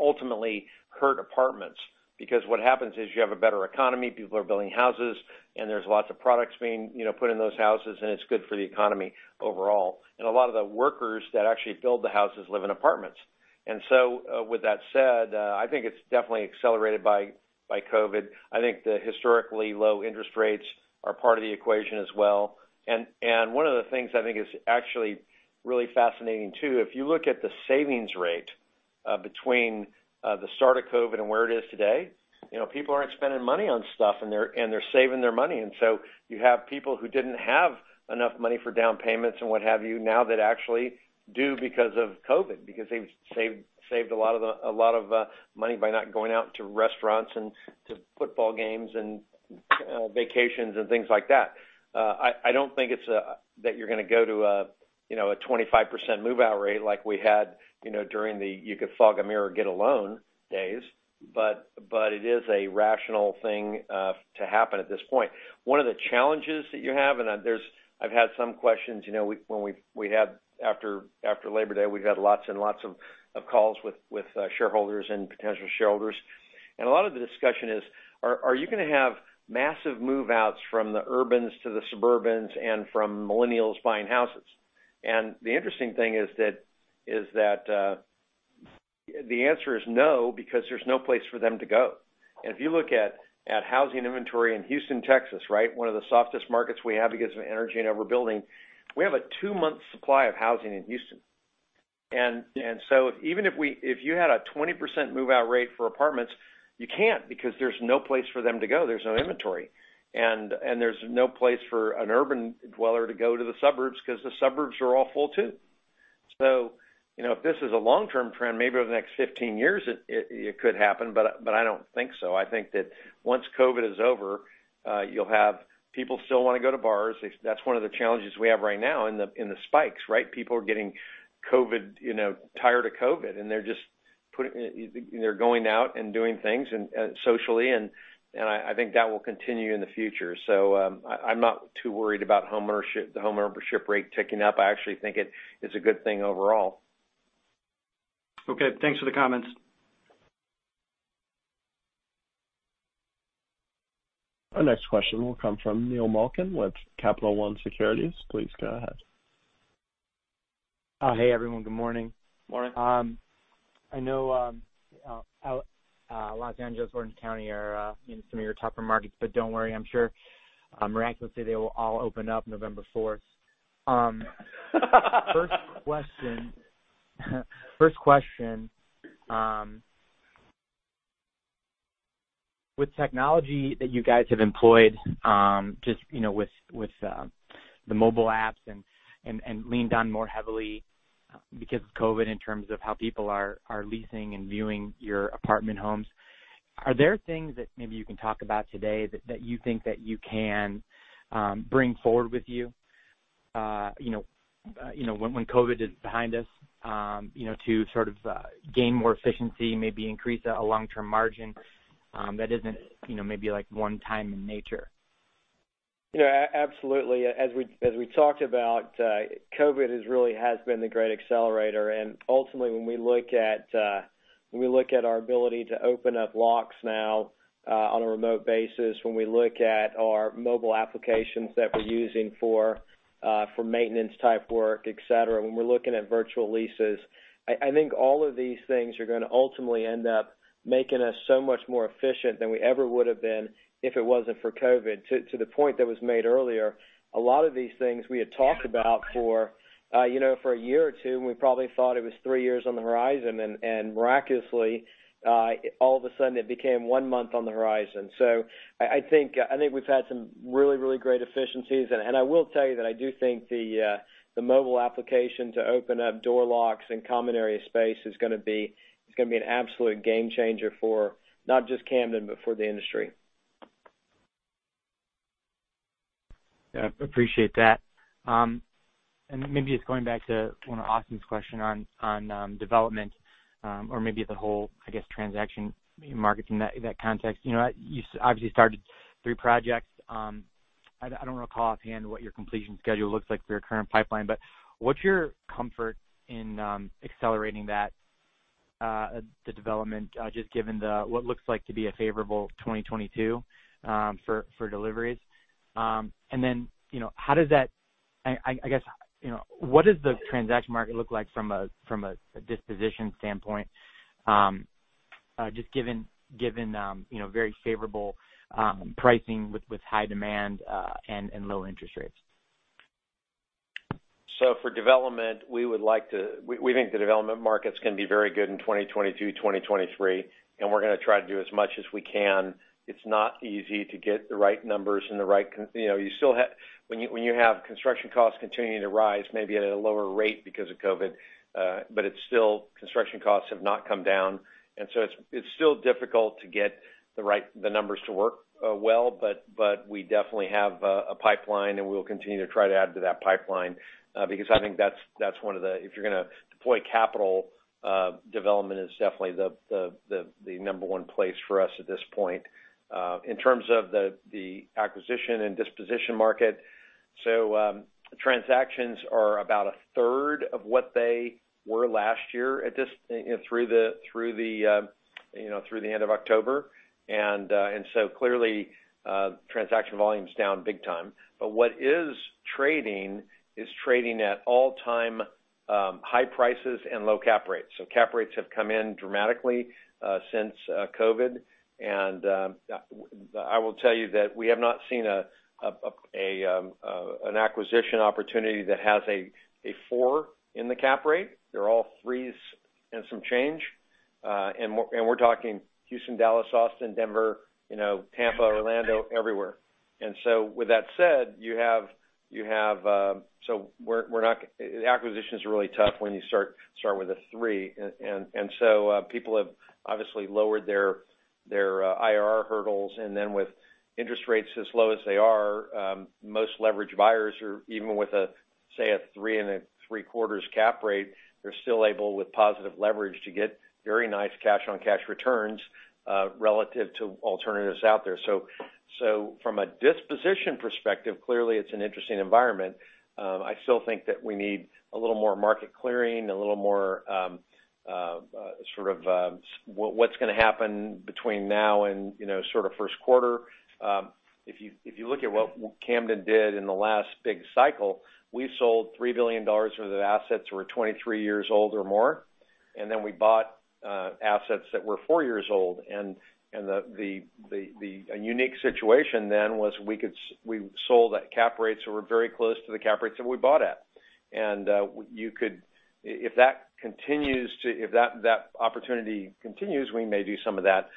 ultimately hurt apartments because what happens is you have a better economy, people are building houses, and there's lots of products being put in those houses, and it's good for the economy overall. A lot of the workers that actually build the houses live in apartments. With that said, I think it's definitely accelerated by COVID. I think the historically low interest rates are part of the equation as well. One of the things I think is actually really fascinating too, if you look at the savings rate between the start of COVID and where it is today, people aren't spending money on stuff, and they're saving their money. You have people who didn't have enough money for down payments and what have you now that actually do because of COVID, because they've saved a lot of money by not going out to restaurants, and to football games, and vacations, and things like that. I don't think that you're going to go to a 25% move-out rate like we had during the you-could-fog-a-mirror-get-a-loan days, but it is a rational thing to happen at this point. One of the challenges that you have, and I've had some questions, after Labor Day, we've had lots and lots of calls with shareholders and potential shareholders. A lot of the discussion is, are you going to have massive move-outs from the urbans to the suburbans and from millennials buying houses? The interesting thing is that the answer is no, because there's no place for them to go. If you look at housing inventory in Houston, Texas, one of the softest markets we have because of energy and overbuilding, we have a two-month supply of housing in Houston. Even if you had a 20% move-out rate for apartments, you can't because there's no place for them to go. There's no inventory. There's no place for an urban dweller to go to the suburbs because the suburbs are all full too. If this is a long-term trend, maybe over the next 15 years it could happen, but I don't think so. I think that once COVID is over, you'll have people still want to go to bars. That's one of the challenges we have right now in the spikes. People are getting tired of COVID, and they're going out and doing things socially, and I think that will continue in the future. I'm not too worried about the homeownership rate ticking up. I actually think it's a good thing overall. Okay. Thanks for the comments. Our next question will come from Neil Malkin with Capital One Securities. Please go ahead. Hey, everyone. Good morning. Morning. I know Los Angeles, Orange County are in some of your tougher markets, but don't worry, I'm sure miraculously they will all open up November 4th. First question, with technology that you guys have employed, just with the mobile apps and leaned on more heavily because of COVID in terms of how people are leasing and viewing your apartment homes, are there things that maybe you can talk about today that you think that you can bring forward with you when COVID is behind us, to sort of gain more efficiency, maybe increase a long-term margin that isn't maybe one time in nature? Yeah, absolutely. As we talked about, COVID really has been the great accelerator. And ultimately, when we look at our ability to open up locks now on a remote basis, when we look at our mobile applications that we're using for maintenance type work, etc, when we're looking at virtual leases, I think all of these things are going to ultimately end up making us so much more efficient than we ever would've been if it wasn't for COVID. To the point that was made earlier, a lot of these things we had talked about for a year or two, and we probably thought it was three years on the horizon, and miraculously, all of a sudden it became one month on the horizon. I think we've had some really great efficiencies. I will tell you that I do think the mobile application to open up door locks and common area space is going to be an absolute game changer for not just Camden, but for the industry. Yeah, appreciate that. Maybe it's going back to one of Austin's question on development, or maybe the whole transaction markets in that context. You obviously started three projects. I don't recall offhand what your completion schedule looks like for your current pipeline, but what's your comfort in accelerating that, the development, just given what looks like to be a favorable 2022 for deliveries? What does the transaction market look like from a disposition standpoint, just given very favorable pricing with high demand and low interest rates? For development, we think the development markets can be very good in 2022, 2023, and we're going to try to do as much as we can. It's not easy to get the right numbers. When you have construction costs continuing to rise, maybe at a lower rate because of COVID, but still construction costs have not come down. It's still difficult to get the numbers to work well, but we definitely have a pipeline, and we'll continue to try to add to that pipeline. I think if you're going to deploy capital, development is definitely the number one place for us at this point. In terms of the acquisition and disposition market, transactions are about a third of what they were last year through the end of October. Clearly, transaction volume's down big time. What is trading is trading at all-time high prices and low cap rates. Cap rates have come in dramatically since COVID. I will tell you that we have not seen an acquisition opportunity that has a four in the cap rate. They're all threes and some change. We're talking Houston, Dallas, Austin, Denver, Tampa, Orlando, everywhere. With that said, acquisition's really tough when you start with a three. People have obviously lowered their IRR hurdles, and then with interest rates as low as they are, most leverage buyers are even with, say, a three and a three-quarters cap rate, they're still able, with positive leverage, to get very nice cash-on-cash returns relative to alternatives out there. From a disposition perspective, clearly it's an interesting environment. I still think that we need a little more market clearing, a little more sort of what's going to happen between now and sort of first quarter. If you look at what Camden did in the last big cycle, we sold $3 billion worth of assets that were 23 years old or more, and then we bought assets that were four years old. The unique situation then was we sold at cap rates that were very close to the cap rates that we bought at. If that opportunity continues, we may do some of that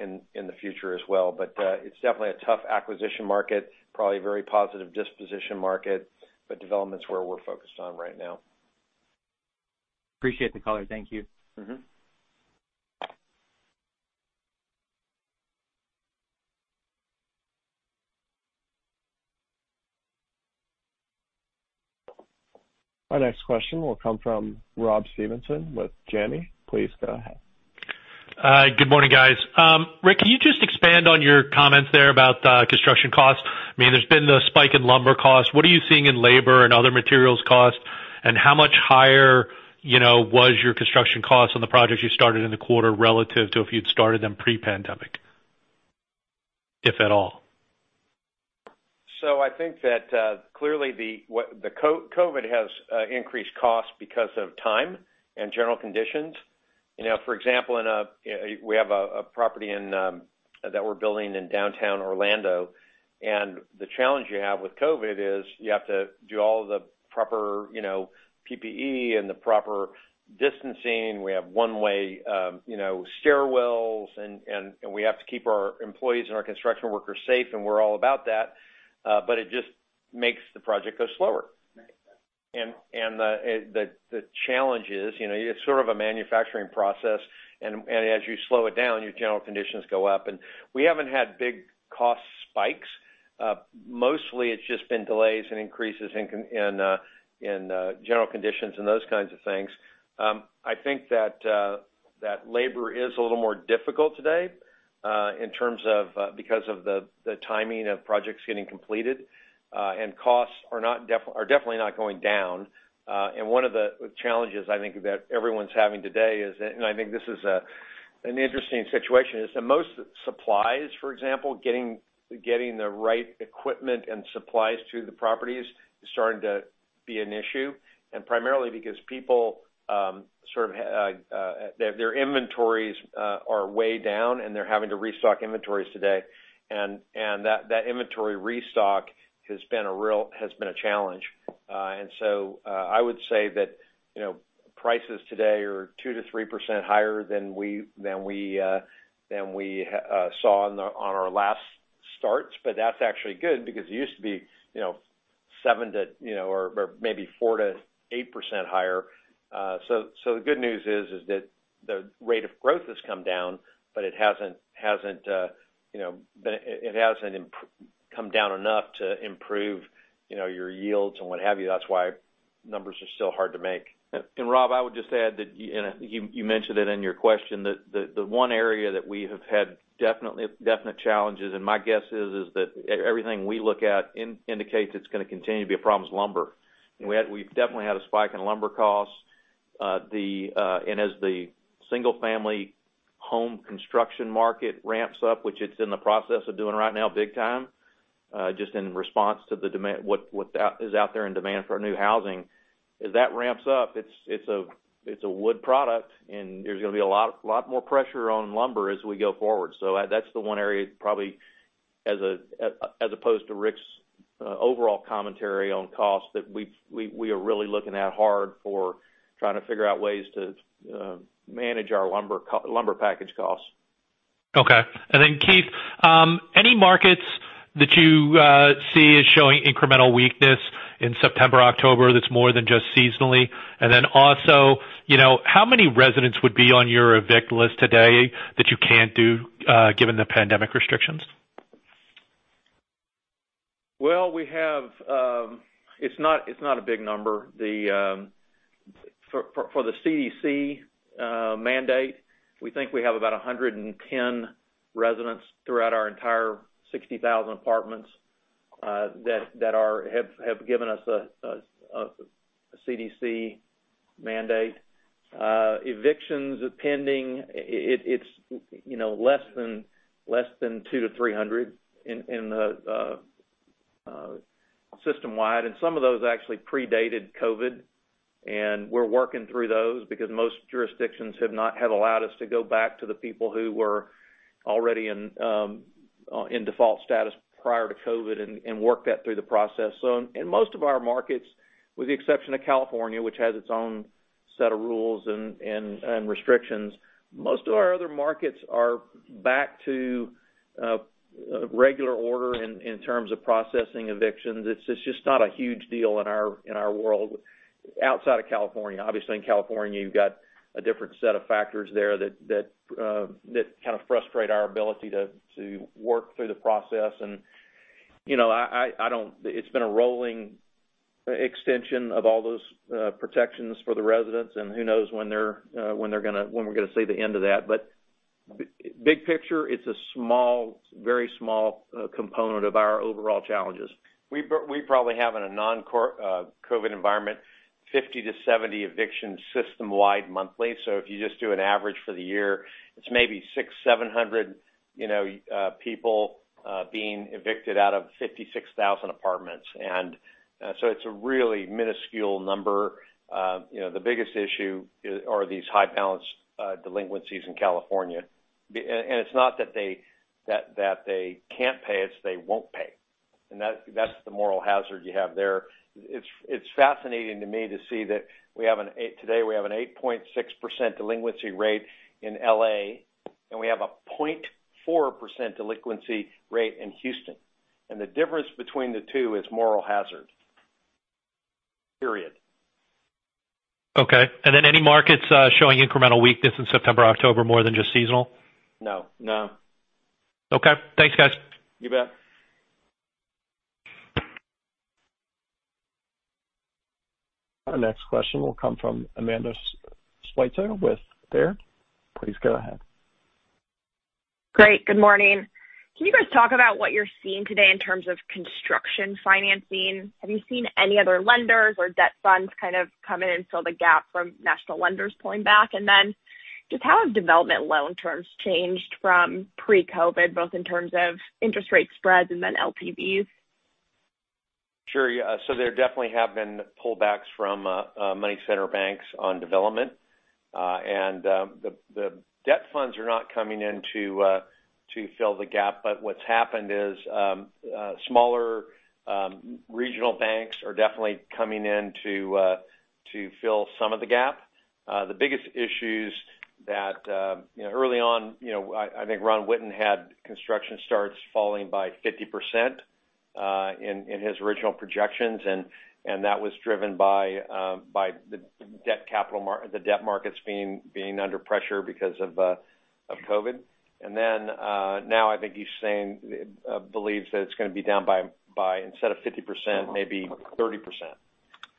in the future as well. It's definitely a tough acquisition market, probably a very positive disposition market, but development's where we're focused on right now. Appreciate the color. Thank you. Our next question will come from Rob Stevenson with Janney. Please go ahead. Good morning, guys. Ric, can you just expand on your comments there about construction costs? I mean, there's been the spike in lumber costs. What are you seeing in labor and other materials costs, and how much higher was your construction costs on the projects you started in the quarter relative to if you'd started them pre-pandemic, if at all? I think that, clearly, the COVID has increased costs because of time and general conditions. For example, we have a property that we're building in downtown Orlando, and the challenge you have with COVID is you have to do all the proper PPE and the proper distancing. We have one-way stairwells, and we have to keep our employees and our construction workers safe, and we're all about that. It just makes the project go slower. The challenge is, it's sort of a manufacturing process, and as you slow it down, your general conditions go up. We haven't had big cost spikes. Mostly, it's just been delays and increases in general conditions and those kinds of things. I think that labor is a little more difficult today, because of the timing of projects getting completed. Costs are definitely not going down. One of the challenges I think that everyone's having today is, and I think this is an interesting situation, is that most supplies, for example, getting the right equipment and supplies to the properties is starting to be an issue, and primarily because their inventories are way down, and they're having to restock inventories today. That inventory restock has been a challenge. I would say that prices today are 2%-3% higher than we saw on our last starts. That's actually good, because it used to be 7% to or maybe 4%-8% higher. The good news is that the rate of growth has come down, but it hasn't come down enough to improve your yields and what have you. That's why numbers are still hard to make. Rob, I would just add that, and I think you mentioned it in your question, that the one area that we have had definite challenges, and my guess is that everything we look at indicates it's going to continue to be a problem, is lumber. We've definitely had a spike in lumber costs. As the single family home construction market ramps up, which it's in the process of doing right now, big time, just in response to what is out there in demand for new housing, as that ramps up, it's a wood product, and there's going to be a lot more pressure on lumber as we go forward. That's the one area probably, as opposed to Ric's overall commentary on cost, that we are really looking at hard for trying to figure out ways to manage our lumber package costs. Okay. Keith, any markets that you see as showing incremental weakness in September, October, that's more than just seasonally? Also, how many residents would be on your evict list today that you can't do given the pandemic restrictions? Well, it's not a big number. For the CDC mandate, we think we have about 110 residents throughout our entire 60,000 apartments that have given us a CDC mandate. Evictions pending, it's less than 200-300 system-wide. Some of those actually predated COVID, and we're working through those because most jurisdictions have allowed us to go back to the people who were already in default status prior to COVID and work that through the process. In most of our markets, with the exception of California, which has its own set of rules and restrictions, most of our other markets are back to regular order in terms of processing evictions. It's just not a huge deal in our world outside of California. Obviously, in California, you've got a different set of factors there that kind of frustrate our ability to work through the process. It's been a rolling extension of all those protections for the residents, and who knows when we're going to see the end of that. Big picture, it's a very small component of our overall challenges. We probably have, in a non-COVID environment, 50-70 evictions system-wide monthly. If you just do an average for the year, it's maybe 600, 700 people being evicted out of 56,000 apartments. It's a really minuscule number. The biggest issue are these high balance delinquencies in California. It's not that they can't pay, it's they won't pay. That's the moral hazard you have there. It's fascinating to me to see that today we have an 8.6% delinquency rate in L.A., and we have a 0.4% delinquency rate in Houston. The difference between the two is moral hazard, period. Okay. Then any markets showing incremental weakness in September, October, more than just seasonal? No. No. Okay. Thanks, guys. You bet. Our next question will come from Amanda Sweitzer with Baird. Please go ahead. Great. Good morning. Can you guys talk about what you're seeing today in terms of construction financing? Have you seen any other lenders or debt funds kind of come in and fill the gap from national lenders pulling back? Just how have development loan terms changed from pre-COVID, both in terms of interest rate spreads and then LTVs? Sure. There definitely have been pullbacks from money center banks on development. The debt funds are not coming in to fill the gap. What's happened is, smaller regional banks are definitely coming in to fill some of the gap. The biggest issues that early on, I think Ron Witten had construction starts falling by 50% in his original projections, and that was driven by the debt markets being under pressure because of COVID. Now I think he believes that it's going to be down by instead of 50%, maybe 30%.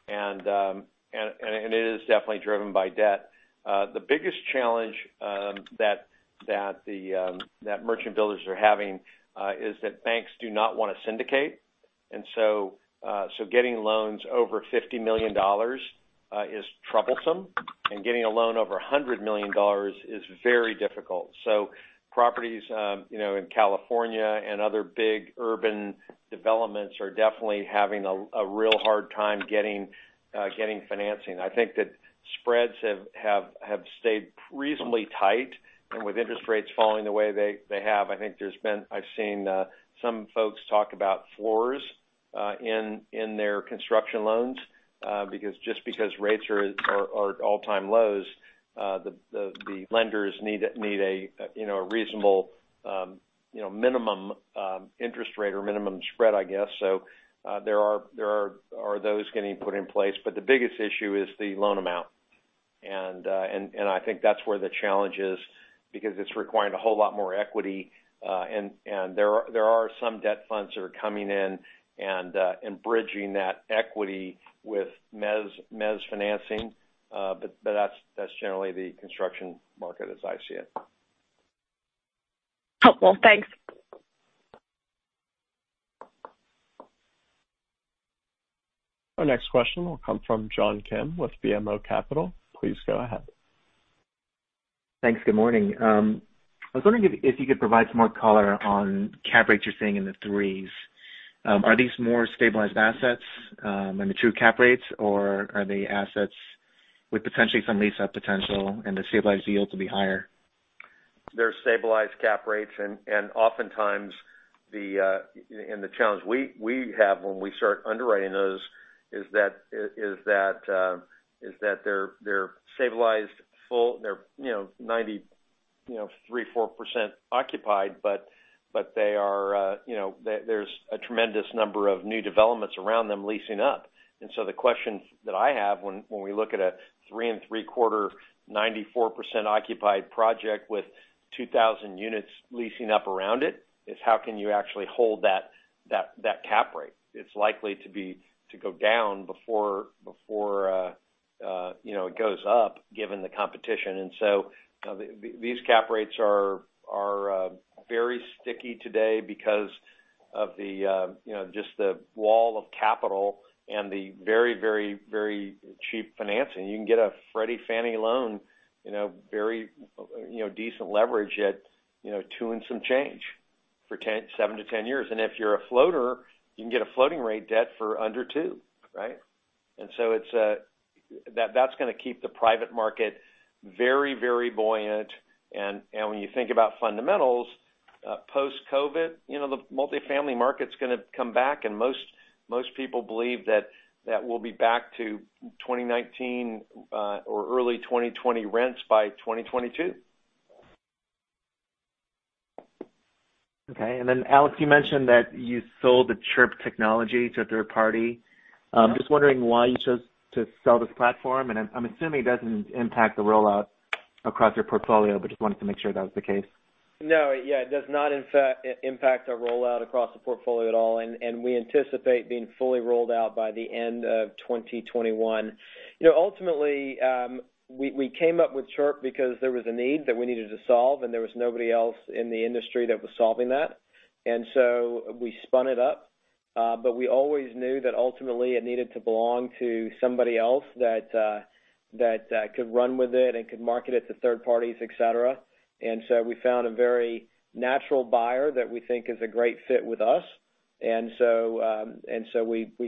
It is definitely driven by debt. The biggest challenge that merchant builders are having is that banks do not want to syndicate. Getting loans over $50 million is troublesome, and getting a loan over $100 million is very difficult. Properties in California and other big urban developments are definitely having a real hard time getting financing. I think that spreads have stayed reasonably tight, and with interest rates falling the way they have, I've seen some folks talk about floors in their construction loans, just because rates are at all-time lows. The lenders need a reasonable minimum interest rate or minimum spread, I guess. There are those getting put in place. The biggest issue is the loan amount. I think that's where the challenge is, because it's requiring a whole lot more equity. There are some debt funds that are coming in and bridging that equity with mezz financing. That's generally the construction market as I see it. Helpful. Thanks. Our next question will come from John Kim with BMO Capital. Please go ahead. Thanks. Good morning. I was wondering if you could provide some more color on cap rates you're seeing in the threes. Are these more stabilized assets in the true cap rates, or are they assets with potentially some lease-up potential and the stabilized yields will be higher? They're stabilized cap rates. Oftentimes, the challenge we have when we start underwriting those is that they're stabilized full. They're 93%, 94% occupied, but there's a tremendous number of new developments around them leasing up. The question that I have when we look at a three and three-quarter, 94%-occupied project with 2,000 units leasing up around it, is how can you actually hold that cap rate? It's likely to go down before it goes up, given the competition. These cap rates are very sticky today because of just the wall of capital and the very, very, very cheap financing. You can get a Freddie Fannie loan, very decent leverage at two and some change for 7-10 years. If you're a floater, you can get a floating rate debt for under two, right? That's going to keep the private market very, very buoyant. When you think about fundamentals, post-COVID, the multi-family market's going to come back, and most people believe that we'll be back to 2019 or early 2020 rents by 2022. Okay. Alex, you mentioned that you sold the Chirp Technology to a third party. I'm just wondering why you chose to sell this platform, and I'm assuming it doesn't impact the rollout across your portfolio, but just wanted to make sure that was the case. No. Yeah, it does not impact our rollout across the portfolio at all, and we anticipate being fully rolled out by the end of 2021. Ultimately, we came up with Chirp because there was a need that we needed to solve, and there was nobody else in the industry that was solving that. We spun it up. We always knew that ultimately it needed to belong to somebody else that could run with it and could market it to third parties, et cetera. We found a very natural buyer that we think is a great fit with us. We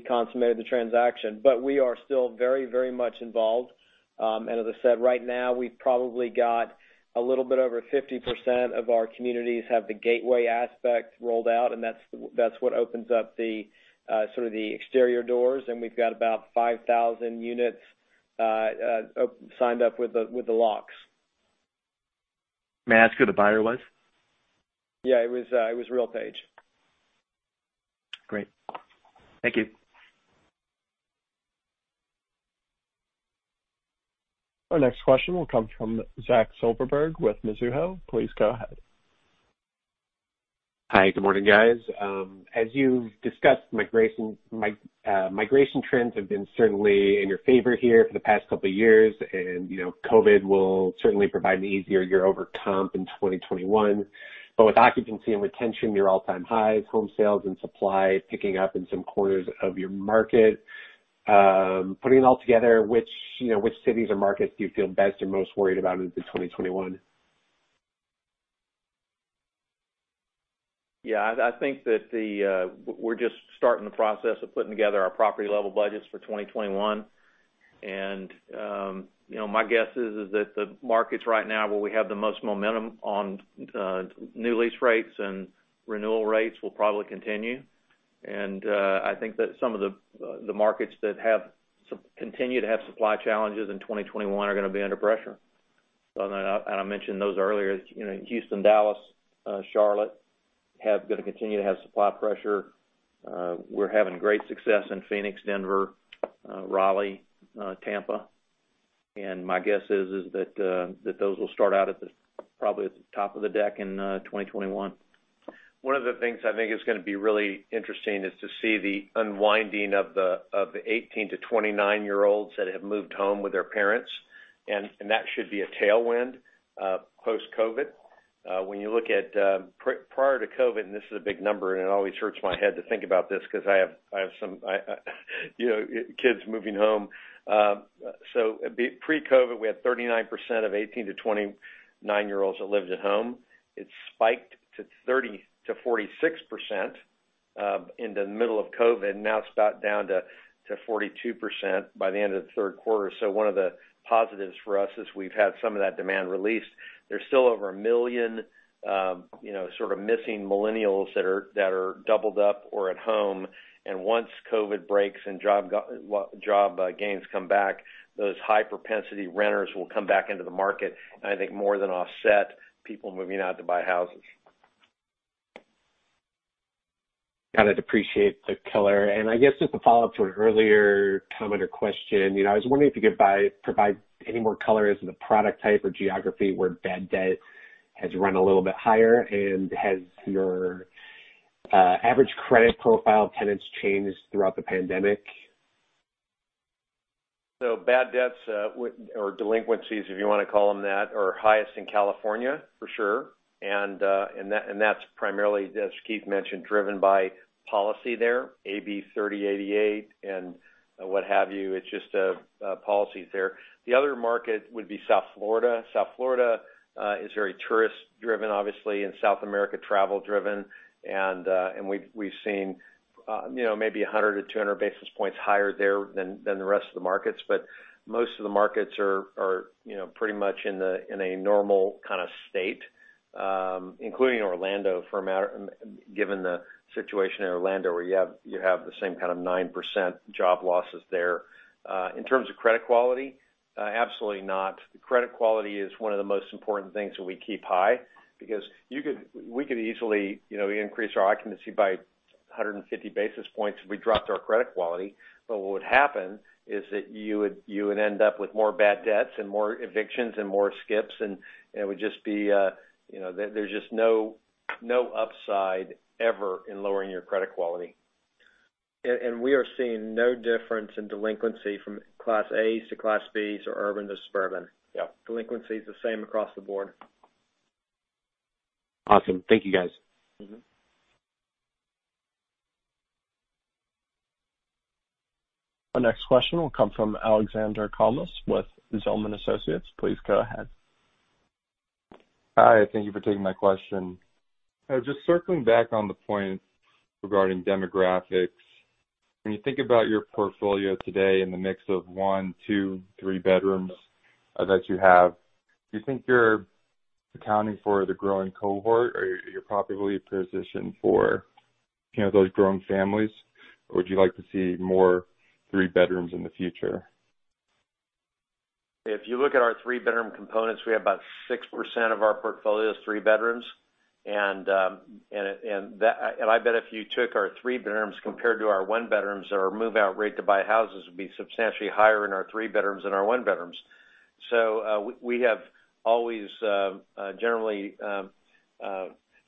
consummated the transaction. We are still very, very much involved. As I said, right now, we've probably got a little bit over 50% of our communities have the gateway aspect rolled out, and that's what opens up the sort of the exterior doors, and we've got about 5,000 units signed up with the locks. May I ask who the buyer was? Yeah, it was RealPage. Great. Thank you. Our next question will come from Zach Silverberg with Mizuho. Please go ahead. Hi. Good morning, guys. As you've discussed, migration trends have been certainly in your favor here for the past couple of years, and COVID will certainly provide an easier year-over-comp in 2021. With occupancy and retention near all-time highs, home sales and supply picking up in some quarters of your market. Putting it all together, which cities or markets do you feel best or most worried about into 2021? Yeah. I think that we're just starting the process of putting together our property-level budgets for 2021. My guess is that the markets right now where we have the most momentum on new lease rates and renewal rates will probably continue. I think that some of the markets that continue to have supply challenges in 2021 are going to be under pressure. I mentioned those earlier. Houston, Dallas, Charlotte, are going to continue to have supply pressure. We're having great success in Phoenix, Denver, Raleigh, Tampa. My guess is that those will start out probably at the top of the deck in 2021. One of the things I think is going to be really interesting is to see the unwinding of the 18 to 29-year-olds that have moved home with their parents. That should be a tailwind, post-COVID. When you look at prior to COVID, this is a big number, and it always hurts my head to think about this because I have some kids moving home. Pre-COVID, we had 39% of 18 to 29-year-olds that lived at home. It spiked to 46% in the middle of COVID. It's got down to 42% by the end of the third quarter. One of the positives for us is we've had some of that demand released. There's still over 1 million sort of missing millennials that are doubled up or at home. Once COVID breaks and job gains come back, those high-propensity renters will come back into the market, and I think more than offset people moving out to buy houses. Kind of appreciate the color. I guess just to follow up to an earlier comment or question. I was wondering if you could provide any more color as to the product type or geography where bad debt has run a little bit higher, and has your average credit profile tenants changed throughout the pandemic? Bad debts, or delinquencies, if you want to call them that, are highest in California, for sure. That's primarily, as Keith mentioned, driven by policy there, AB 3088 and what have you. It's just policies there. The other market would be South Florida. South Florida is very tourist-driven, obviously, and South America travel-driven. We've seen maybe 100 to 200 basis points higher there than the rest of the markets. Most of the markets are pretty much in a normal kind of state, including Orlando, given the situation in Orlando, where you have the same kind of 9% job losses there. In terms of credit quality, absolutely not. Credit quality is one of the most important things that we keep high, because we could easily increase our occupancy by 150 basis points if we dropped our credit quality. What would happen is that you would end up with more bad debts and more evictions and more skips, and there's just no upside ever in lowering your credit quality. We are seeing no difference in delinquency from Class As to Class Bs or urban to suburban. Yep. Delinquency is the same across the board. Awesome. Thank you, guys. Our next question will come from Alexander Kalmus with Zelman & Associates. Please go ahead. Hi. Thank you for taking my question. Just circling back on the point regarding demographics. When you think about your portfolio today in the mix of one, two, three bedrooms that you have, do you think you're accounting for the growing cohort, or you're properly positioned for those growing families? Would you like to see more three bedrooms in the future? If you look at our three-bedroom components, we have about 6% of our portfolio is three bedrooms. I bet if you took our three bedrooms compared to our one bedrooms, our move-out rate to buy houses would be substantially higher in our three bedrooms than our one bedrooms. We have always generally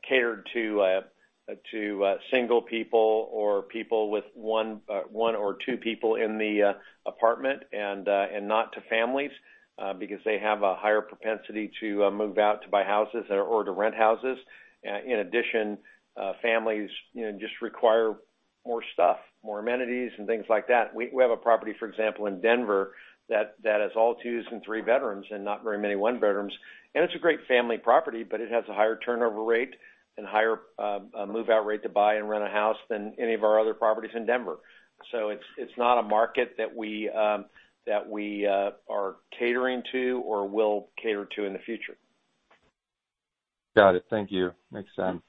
catered to single people or people with one or two people in the apartment, and not to families, because they have a higher propensity to move out to buy houses or to rent houses. In addition, families just require more stuff, more amenities and things like that. We have a property, for example, in Denver that has all twos and three bedrooms and not very many one bedrooms. It's a great family property, but it has a higher turnover rate and higher move-out rate to buy and rent a house than any of our other properties in Denver. It's not a market that we are catering to or will cater to in the future. Got it. Thank you. Makes sense.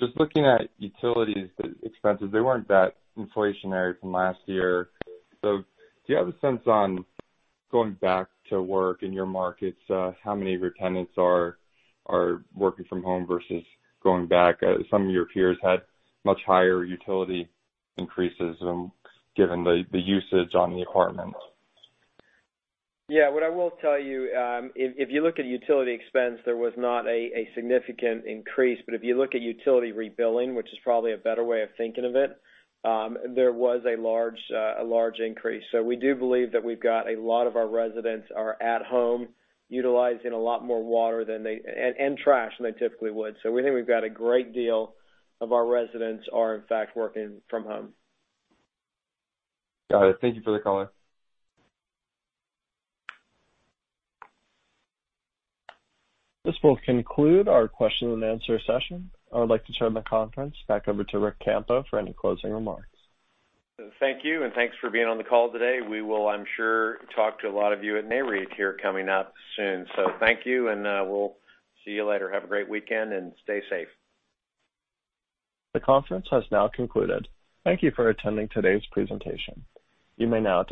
Just looking at utilities expenses, they weren't that inflationary from last year. Do you have a sense on going back to work in your markets, how many of your tenants are working from home versus going back? Some of your peers had much higher utility increases given the usage on the apartments. Yeah, what I will tell you, if you look at utility expense, there was not a significant increase. If you look at utility rebilling, which is probably a better way of thinking of it, there was a large increase. We do believe that we've got a lot of our residents are at home utilizing a lot more water and trash than they typically would. We think we've got a great deal of our residents are in fact working from home. Got it. Thank you for the color. This will conclude our question and answer session. I would like to turn the conference back over to Ric Campo for any closing remarks. Thank you, and thanks for being on the call today. We will, I'm sure, talk to a lot of you at Nareit here coming up soon. Thank you, and we'll see you later. Have a great weekend and stay safe. The conference has now concluded. Thank you for attending today's presentation. You may now disconnect.